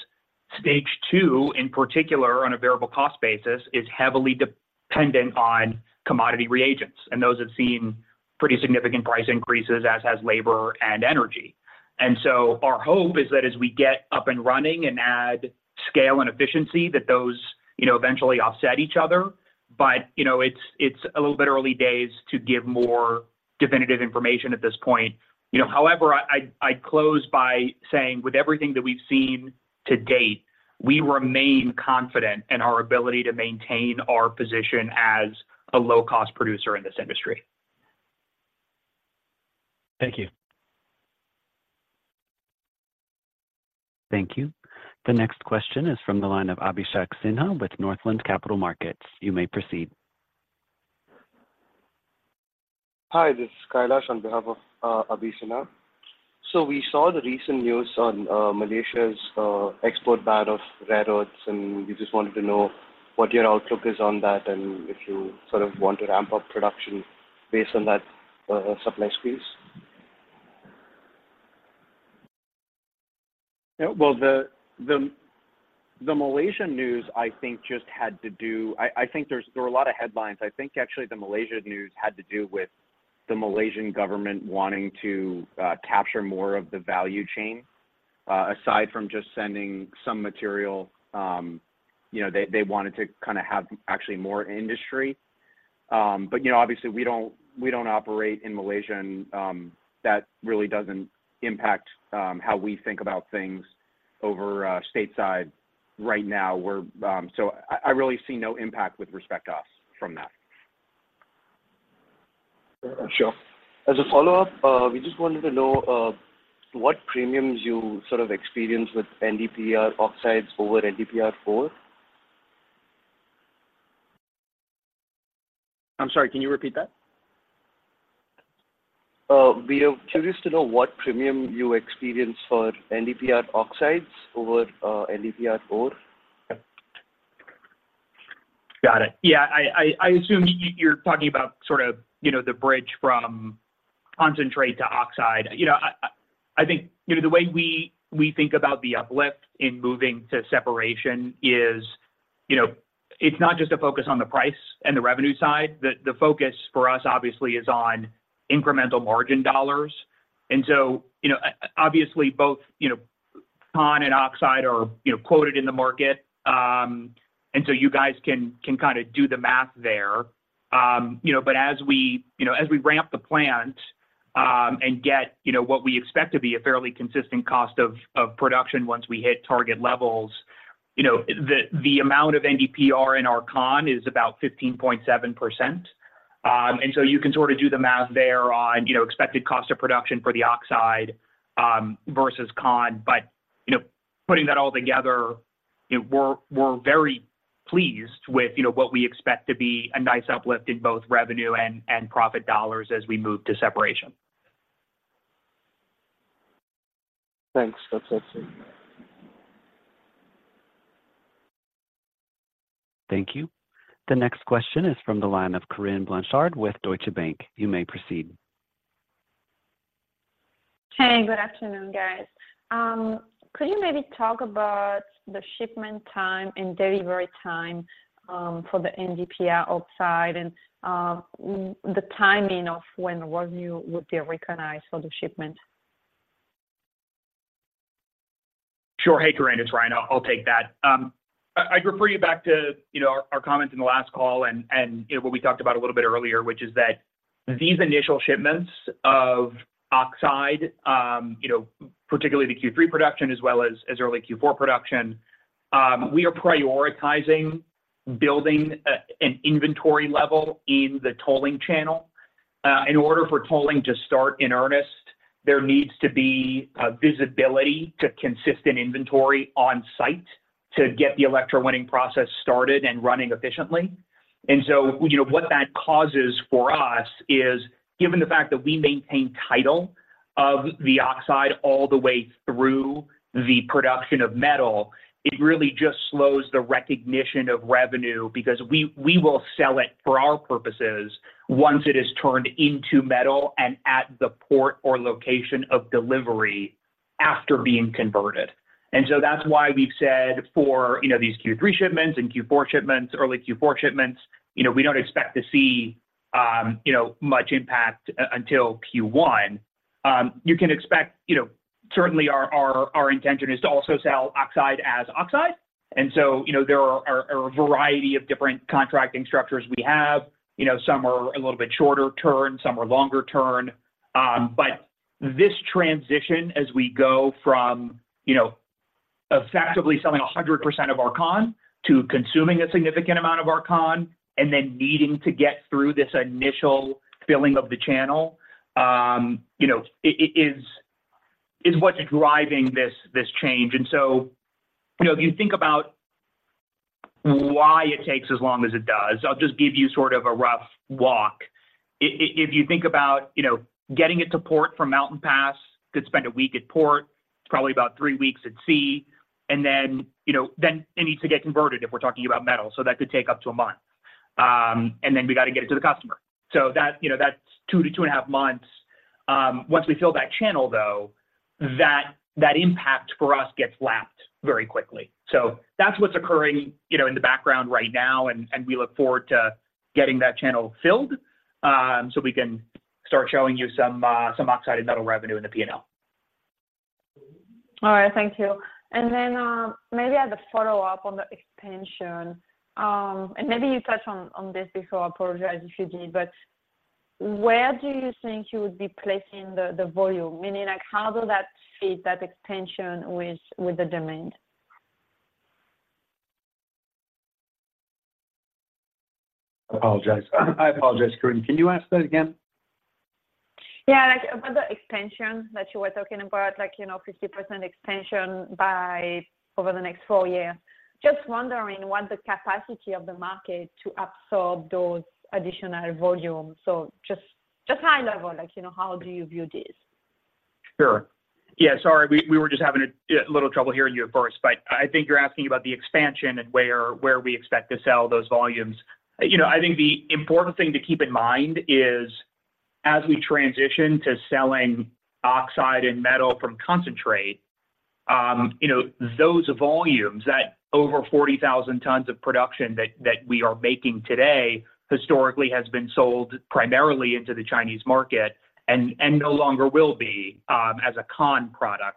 Speaker 4: Stage II, in particular on a variable cost basis, is heavily dependent on commodity reagents, and those have seen pretty significant price increases, as has labor and energy. And so our hope is that as we get up and running and add scale and efficiency, that those, you know, eventually offset each other. But, you know, it's a little bit early days to give more definitive information at this point. You know, however, I close by saying with everything that we've seen to date, we remain confident in our ability to maintain our position as a low-cost producer in this industry.
Speaker 9: Thank you.
Speaker 1: Thank you. The next question is from the line of Abhishek Sinha with Northland Capital Markets. You may proceed.
Speaker 10: Hi, this is Kailash on behalf of Abhish Sinha. So we saw the recent news on Malaysia's export ban of rare earths, and we just wanted to know what your outlook is on that, and if you sort of want to ramp up production based on that supply squeeze?
Speaker 3: Yeah, well, the Malaysian news, I think, just had to do—I think there were a lot of headlines. I think actually the Malaysian news had to do with the Malaysian government wanting to capture more of the value chain. Aside from just sending some material, you know, they wanted to kinda have actually more industry. But, you know, obviously, we don't operate in Malaysia, and that really doesn't impact how we think about things over stateside right now, where... So I really see no impact with respect to us from that.
Speaker 10: Sure. As a follow-up, we just wanted to know, what premiums you sort of experience with NdPr oxides over NdPr ore?
Speaker 3: I'm sorry, can you repeat that?
Speaker 10: We are curious to know what premium you experience for NdPr oxides over NdPr ore?
Speaker 4: Got it. Yeah, I assume you're talking about sort of, you know, the bridge from concentrate to oxide. You know, I think, you know, the way we think about the uplift in moving to separation is, you know, it's not just a focus on the price and the revenue side. The focus for us, obviously, is on incremental margin dollars. So, you know, obviously, both, you know, con and oxide are, you know, quoted in the market. So you guys can kinda do the math there. You know, but as we, you know, as we ramp the plant, and get, you know, what we expect to be a fairly consistent cost of production once we hit target levels, you know, the amount of NdPr in our con is about 15.7%. And so you can sort of do the math there on, you know, expected cost of production for the oxide versus con. But, you know, putting that all together, you know, we're very pleased with, you know, what we expect to be a nice uplift in both revenue and profit dollars as we move to separation.
Speaker 10: Thanks. That's it.
Speaker 1: Thank you. The next question is from the line of Corinne Blanchard with Deutsche Bank. You may proceed.
Speaker 11: Hey, good afternoon, guys. Could you maybe talk about the shipment time and delivery time for the NdPr oxide and the timing of when revenue would be recognized for the shipment?
Speaker 4: Sure. Hey, Corinne, it's Ryan. I'll take that. I'd refer you back to, you know, our comments in the last call and, you know, what we talked about a little bit earlier, which is that these initial shipments of oxide, you know, particularly the Q3 production as well as early Q4 production, we are prioritizing building an inventory level in the tolling channel. In order for tolling to start in earnest, there needs to be a visibility to consistent inventory on site to get the electrowinning process started and running efficiently. And so, you know, what that causes for us is, given the fact that we maintain title of the oxide all the way through the production of metal, it really just slows the recognition of revenue because we will sell it for our purposes once it is turned into metal and at the port or location of delivery after being converted. And so that's why we've said for, you know, these Q3 shipments and Q4 shipments, early Q4 shipments, you know, we don't expect to see, you know, much impact until Q1. You can expect, you know, certainly our intention is to also sell oxide as oxide. And so, you know, there are a variety of different contracting structures we have. You know, some are a little bit shorter term, some are longer term. But this transition, as we go from, you know, effectively selling 100% of our con to consuming a significant amount of our con, and then needing to get through this initial filling of the channel, you know, it is what's driving this change. So, you know, if you think about why it takes as long as it does, I'll just give you sort of a rough walk. If you think about, you know, getting it to port from Mountain Pass, could spend a week at port, probably about three weeks at sea, and then, you know, then it needs to get converted if we're talking about metal, so that could take up to a month. And then we got to get it to the customer. So that, you know, that's 2 months-2.5 months. Once we fill that channel, though, that impact for us gets lapped very quickly. So that's what's occurring, you know, in the background right now, and we look forward to getting that channel filled, so we can start showing you some oxide and metal revenue in the P&L.
Speaker 11: All right. Thank you. And then, maybe as a follow-up on the expansion, and maybe you touched on, on this before, I apologize if you did, but where do you think you would be placing the, the volume? Meaning, like, how does that fit that expansion with, with the demand?
Speaker 3: I apologize. I apologize, Corinne. Can you ask that again?
Speaker 11: Yeah, like about the expansion that you were talking about, like, you know, 50% expansion by over the next four years. Just wondering what the capacity of the market to absorb those additional volumes. So just, just high level, like, you know, how do you view this?
Speaker 4: Sure. Yeah, sorry, we were just having a little trouble hearing you at first, but I think you're asking about the expansion and where we expect to sell those volumes. You know, I think the important thing to keep in mind is as we transition to selling oxide and metal from concentrate, you know, those volumes, that over 40,000 tons of production that we are making today, historically has been sold primarily into the Chinese market and no longer will be, as a concentrate product.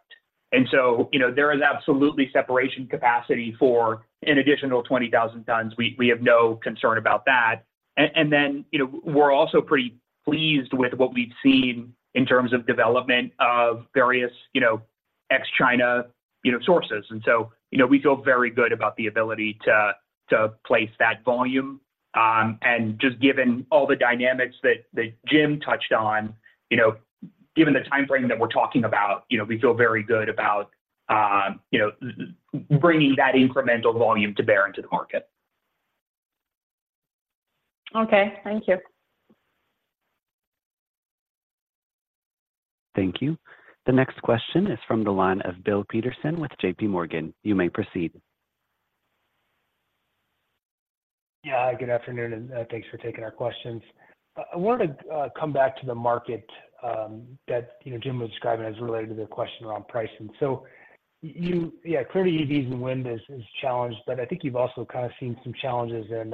Speaker 4: And so, you know, there is absolutely separation capacity for an additional 20,000 tons. We have no concern about that. And then, you know, we're also pretty pleased with what we've seen in terms of development of various, you know, ex-China, you know, sources. And so, you know, we feel very good about the ability to place that volume, and just given all the dynamics that Jim touched on, you know, given the time frame that we're talking about, you know, we feel very good about, you know, bringing that incremental volume to bear into the market.
Speaker 11: Okay. Thank you.
Speaker 1: Thank you. The next question is from the line of Bill Peterson with JPMorgan. You may proceed.
Speaker 12: Yeah, good afternoon, and thanks for taking our questions. I wanted to come back to the market that you know Jim was describing as related to the question around pricing. So you—yeah, clearly, EVs and wind is challenged, but I think you've also kind of seen some challenges in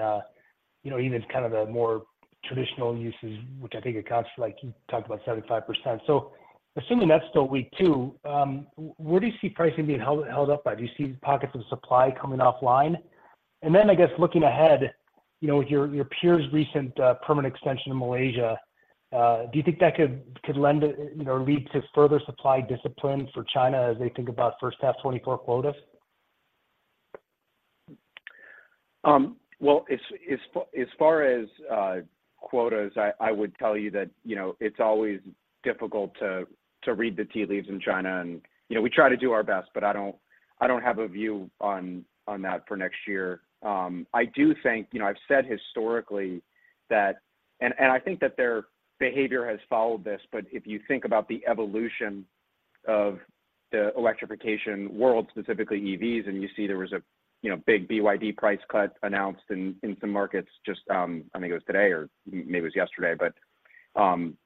Speaker 12: you know even kind of the more traditional uses, which I think accounts for, like, you talked about 75%. So assuming that's still weak too, where do you see pricing being held up by? Do you see pockets of supply coming offline? And then, I guess, looking ahead, you know, with your peers' recent permanent extension in Malaysia, do you think that could lend you know or lead to further supply discipline for China as they think about first half 2024 quotas?
Speaker 3: Well, as far as quotas, I would tell you that, you know, it's always difficult to read the tea leaves in China. And, you know, we try to do our best, but I don't have a view on that for next year. I do think, you know, I've said historically that, and I think that their behavior has followed this, but if you think about the evolution of the electrification world, specifically EVs, and you see there was a, you know, big BYD price cut announced in some markets, just, I think it was today or maybe it was yesterday. But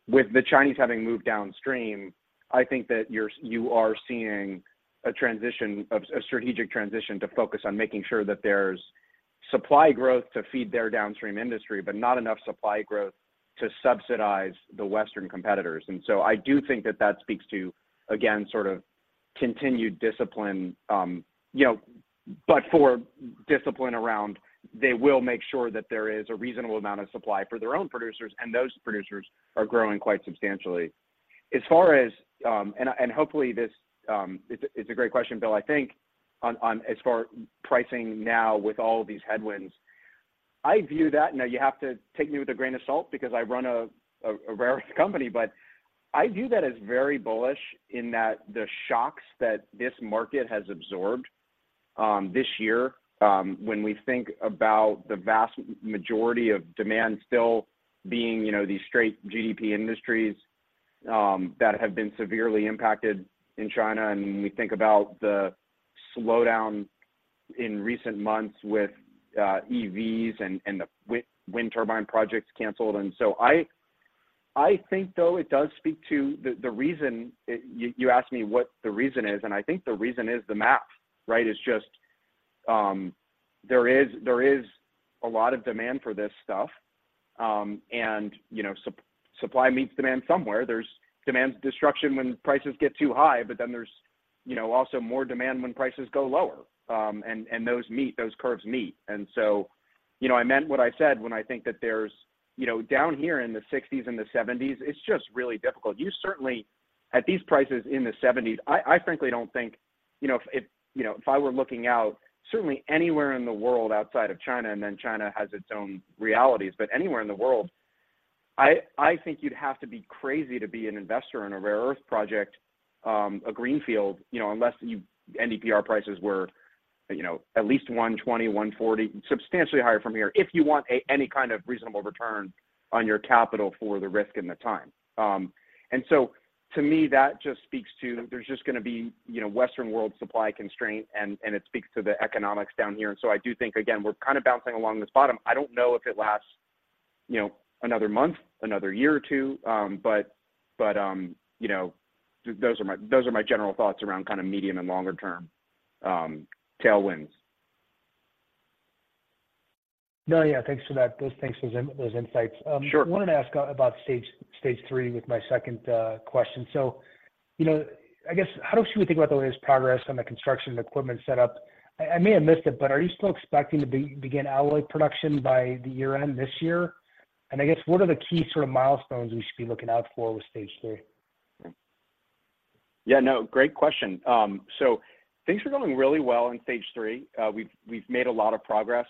Speaker 3: with the Chinese having moved downstream, I think that you are seeing a transition, a strategic transition to focus on making sure that there's supply growth to feed their downstream industry, but not enough supply growth to subsidize the Western competitors. And so I do think that that speaks to, again, sort of continued discipline, you know, but for discipline around, they will make sure that there is a reasonable amount of supply for their own producers, and those producers are growing quite substantially. As far as... and hopefully, this it's a great question, Bill. I think as far as pricing now with all of these headwinds, I view that. Now you have to take me with a grain of salt because I run a rare earth company, but I view that as very bullish in that the shocks that this market has absorbed this year, when we think about the vast majority of demand still being, you know, these straight GEP industries that have been severely impacted in China, and when we think about the slowdown in recent months with EVs and the wind turbine projects canceled. So I think, though, it does speak to the reason you asked me what the reason is, and I think the reason is the math, right? It's just, there is a lot of demand for this stuff, and, you know, supply meets demand somewhere. There's demand destruction when prices get too high, but then there's, you know, also more demand when prices go lower. And those meet, those curves meet. And so, you know, I meant what I said when I think that there's, you know, down here in the 60s and the 70s, it's just really difficult. You certainly, at these prices in the 70s, I frankly don't think, you know, if I were looking out, certainly anywhere in the world outside of China, and then China has its own realities, but anywhere in the world, I think you'd have to be crazy to be an investor in a rare earth project, a greenfield, you know, unless NdPr prices were, you know, at least 120-140, substantially higher from here, if you want any kind of reasonable return on your capital for the risk and the time. And so to me, that just speaks to, there's just going to be, you know, Western world supply constraint, and it speaks to the economics down here. And so I do think, again, we're kind of bouncing along this bottom. I don't know if it lasts, you know, another month, another year or two, but you know, those are my general thoughts around kind of medium and longer term tailwinds.
Speaker 12: No, yeah, thanks for that. Those... Thanks for those, those insights.
Speaker 3: Sure.
Speaker 12: I wanted to ask about Stage III with my second question. So, you know, I guess, how do you think about the latest progress on the construction equipment set up? I may have missed it, but are you still expecting to begin alloy production by the year-end this year? And I guess, what are the key sort of milestones we should be looking out for with Stage III?
Speaker 3: Yeah, no, great question. So things are going really well in Stage III. We've made a lot of progress.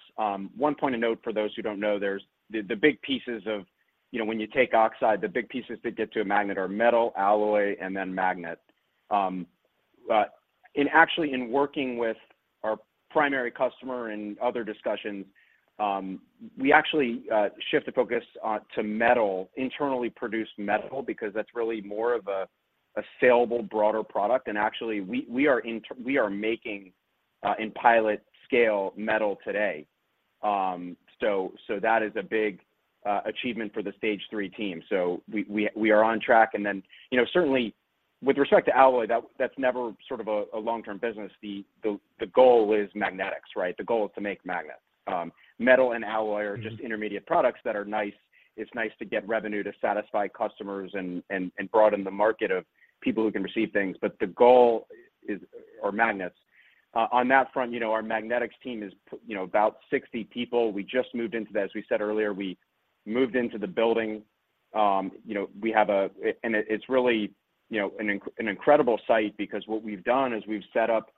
Speaker 3: One point of note for those who don't know, there's the big pieces of, you know, when you take oxide, the big pieces that get to a magnet are metal, alloy, and then magnet. But actually in working with our primary customer and other discussions, we actually shift the focus to metal, internally produced metal, because that's really more of a saleable, broader product. And actually, we are making in pilot scale metal today. So that is a big achievement for the Stage III team. So we are on track. And then, you know, certainly with respect to alloy, that's never sort of a long-term business. The goal is magnetics, right? The goal is to make magnets. Metal and alloy are just intermediate products that are nice. It's nice to get revenue to satisfy customers and broaden the market of people who can receive things, but the goal is magnets. On that front, you know, our magnetics team is, you know, about 60 people. We just moved into that. As we said earlier, we moved into the building. You know, and it's really, you know, an incredible site because what we've done is we've set up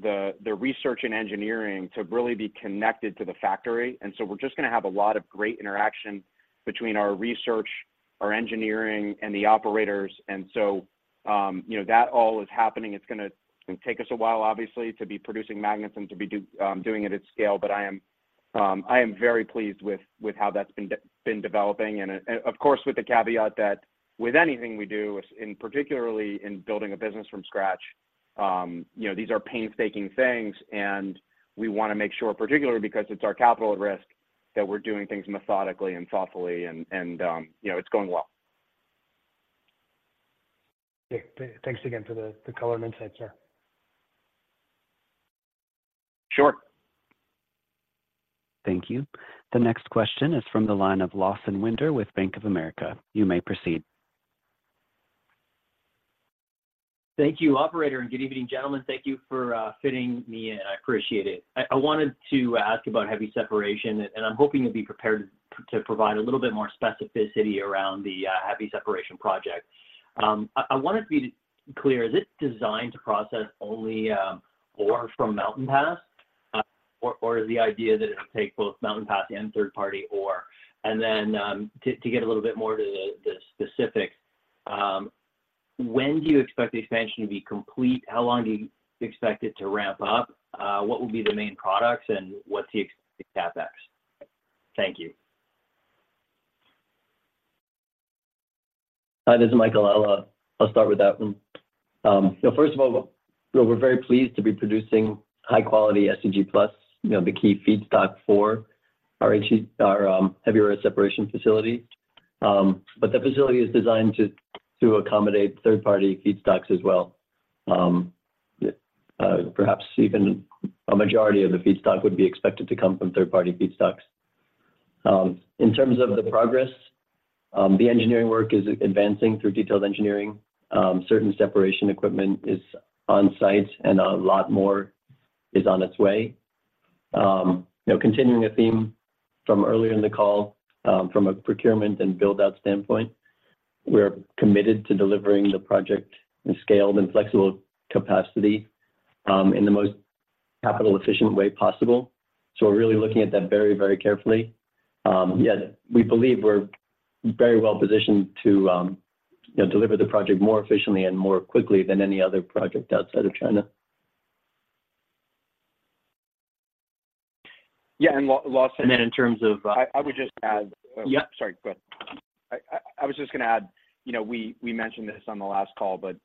Speaker 3: the research and engineering to really be connected to the factory. And so we're just gonna have a lot of great interaction between our research, our engineering, and the operators. And so, you know, that all is happening. It's gonna take us a while, obviously, to be producing magnets and to be doing it at scale. But I am very pleased with how that's been developing. And of course, with the caveat that with anything we do, particularly in building a business from scratch, you know, these are painstaking things, and we wanna make sure, particularly because it's our capital at risk, that we're doing things methodically and thoughtfully and you know, it's going well.
Speaker 12: Okay. Thanks again for the color and insight here.
Speaker 3: Sure.
Speaker 1: Thank you. The next question is from the line of Lawson Winder with Bank of America. You may proceed.
Speaker 13: Thank you, operator, and good evening, gentlemen. Thank you for fitting me in. I appreciate it. I wanted to ask about heavy separation, and I'm hoping you'll be prepared to provide a little bit more specificity around the heavy separation project. I wanted to be clear, is it designed to process only ore from Mountain Pass, or is the idea that it'll take both Mountain Pass and third-party ore? And then, to get a little bit more to the specifics, when do you expect the expansion to be complete? How long do you expect it to ramp up? What will be the main products, and what's the expected CapEx? Thank you.
Speaker 5: Hi, this is Michael. I'll, I'll start with that one. So first of all, we're very pleased to be producing high-quality SEG+, you know, the key feedstock for our heavy rare earth separation facility. But that facility is designed to accommodate third-party feedstocks as well. Perhaps even a majority of the feedstock would be expected to come from third-party feedstocks. In terms of the progress, the engineering work is advancing through detailed engineering. Certain separation equipment is on site, and a lot more is on its way. You know, continuing a theme from earlier in the call, from a procurement and build-out standpoint, we're committed to delivering the project in scaled and flexible capacity, in the most capital-efficient way possible. So we're really looking at that very, very carefully. Yet, we believe we're very well positioned to, you know, deliver the project more efficiently and more quickly than any other project outside of China.
Speaker 13: Yeah, and Lawson-
Speaker 5: And then in terms of,
Speaker 3: I would just add-
Speaker 5: Yep.
Speaker 3: Sorry, go ahead. I was just gonna add, you know, we mentioned this on the last call, but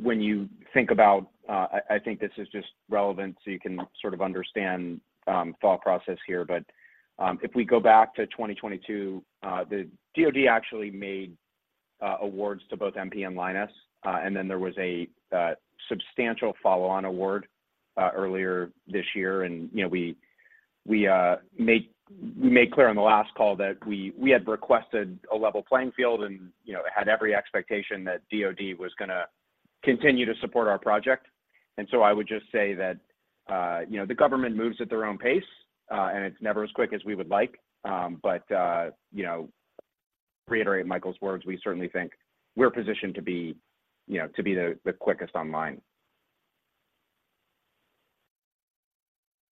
Speaker 3: when you think about... I think this is just relevant, so you can sort of understand thought process here. But if we go back to 2022, the DoD actually made awards to both MP and Lynas, and then there was a substantial follow-on award earlier this year. And you know, we made clear on the last call that we had requested a level playing field and had every expectation that DoD was gonna continue to support our project. And so I would just say that, you know, the government moves at their own pace, and it's never as quick as we would like. But, you know, reiterating Michael's words, we certainly think we're positioned to be, you know, to be the quickest online.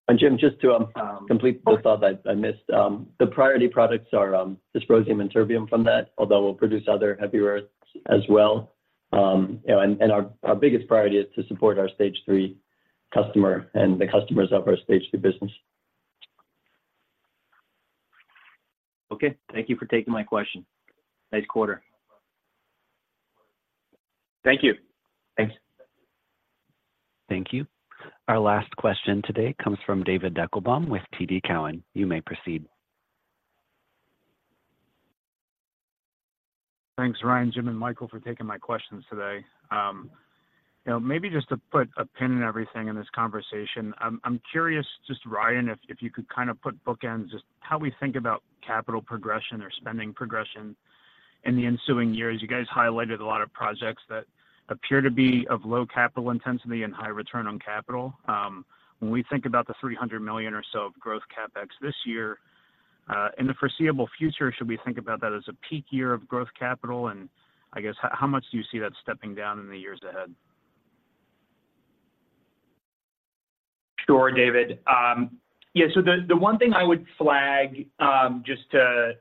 Speaker 5: And Jim, just to complete the thought that I missed, the priority products are dysprosium and terbium from that, although we'll produce other heavy rares as well. You know, and our biggest priority is to support our Stage III customer and the customers of our Stage III business.
Speaker 13: Okay. Thank you for taking my question. Nice quarter.
Speaker 3: Thank you.
Speaker 5: Thanks.
Speaker 1: Thank you. Our last question today comes from David Deckelbaum with TD Cowen. You may proceed.
Speaker 14: Thanks, Ryan, Jim, and Michael, for taking my questions today. You know, maybe just to put a pin in everything in this conversation, I'm, I'm curious, just, Ryan, if, if you could kind of put bookends, just how we think about capital progression or spending progression in the ensuing years. You guys highlighted a lot of projects that appear to be of low capital intensity and high return on capital. When we think about the $300 million or so of growth CapEx this year, in the foreseeable future, should we think about that as a peak year of growth capital? And I guess, how, how much do you see that stepping down in the years ahead?
Speaker 4: Sure, David. Yeah, so the one thing I would flag, just to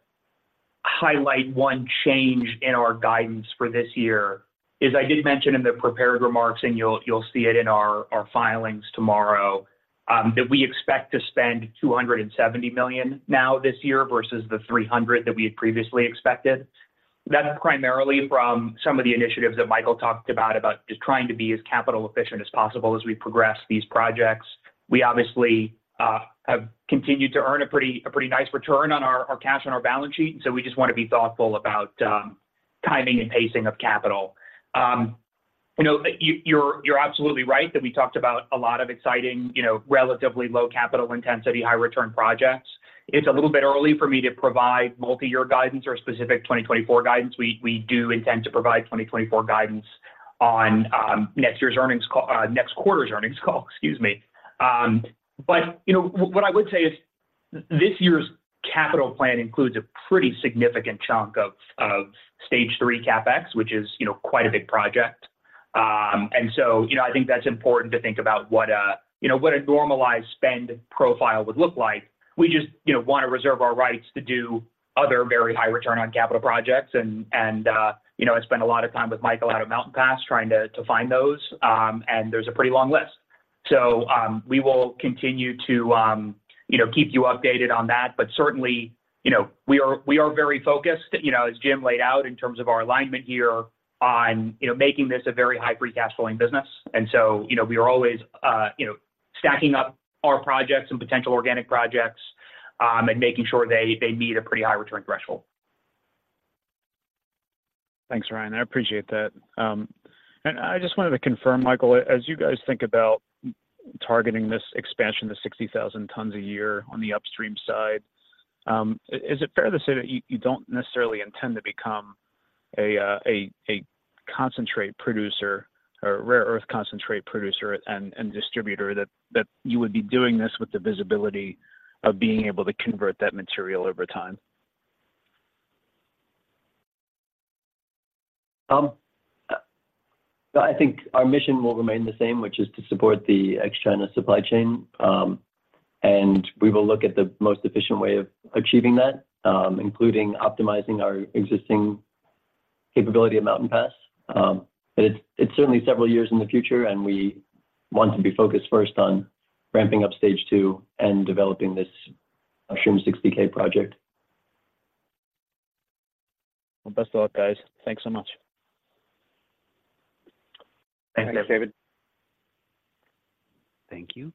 Speaker 4: highlight one change in our guidance for this year, is I did mention in the prepared remarks, and you'll see it in our filings tomorrow, that we expect to spend $270 million now this year versus the $300 million that we had previously expected. That's primarily from some of the initiatives that Michael talked about, about just trying to be as capital efficient as possible as we progress these projects. We obviously have continued to earn a pretty nice return on our cash on our balance sheet, so we just want to be thoughtful about timing and pacing of capital. You know, you're absolutely right that we talked about a lot of exciting, you know, relatively low capital intensity, high return projects. It's a little bit early for me to provide multi-year guidance or specific 2024 guidance. We do intend to provide 2024 guidance on next year's earnings call, next quarter's earnings call, excuse me. But, you know, what I would say is this year's capital plan includes a pretty significant chunk of Stage III CapEx, which is, you know, quite a big project. And so, you know, I think that's important to think about what a normalized spend profile would look like. We just, you know, want to reserve our rights to do other very high return on capital projects and, you know, I spend a lot of time with Michael out of Mountain Pass trying to find those, and there's a pretty long list. So, we will continue to, you know, keep you updated on that, but certainly, you know, we are very focused, you know, as Jim laid out, in terms of our alignment here on, you know, making this a very high free cash flowing business. And so, you know, we are always, you know, stacking up our projects and potential organic projects, and making sure they meet a pretty high return threshold.
Speaker 14: Thanks, Ryan. I appreciate that. And I just wanted to confirm, Michael, as you guys think about targeting this expansion to 60,000 tons a year on the Upstream side, is it fair to say that you don't necessarily intend to become a concentrate producer or rare earth concentrate producer and distributor, that you would be doing this with the visibility of being able to convert that material over time?
Speaker 5: I think our mission will remain the same, which is to support the ex-China supply chain. We will look at the most efficient way of achieving that, including optimizing our existing capability at Mountain Pass. But it's certainly several years in the future, and we want to be focused first on ramping up Stage II and developing this, I'm sure, 60K project.
Speaker 14: Well, best of luck, guys. Thanks so much.
Speaker 5: Thanks, David.
Speaker 4: Thank you.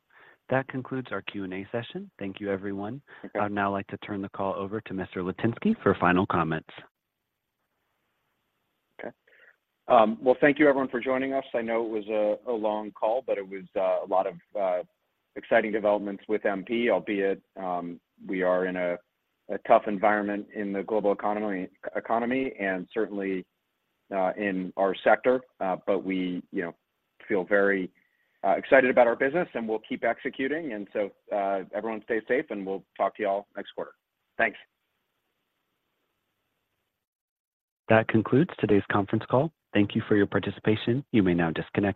Speaker 1: That concludes our Q&A session. Thank you, everyone. I'd now like to turn the call over to Mr. Litinsky for final comments.
Speaker 3: Okay. Well, thank you everyone for joining us. I know it was a long call, but it was a lot of exciting developments with MP. Albeit, we are in a tough environment in the global economy and certainly in our sector. But we, you know, feel very excited about our business, and we'll keep executing, and so, everyone stay safe, and we'll talk to you all next quarter. Thanks.
Speaker 1: That concludes today's conference call. Thank you for your participation. You may now disconnect.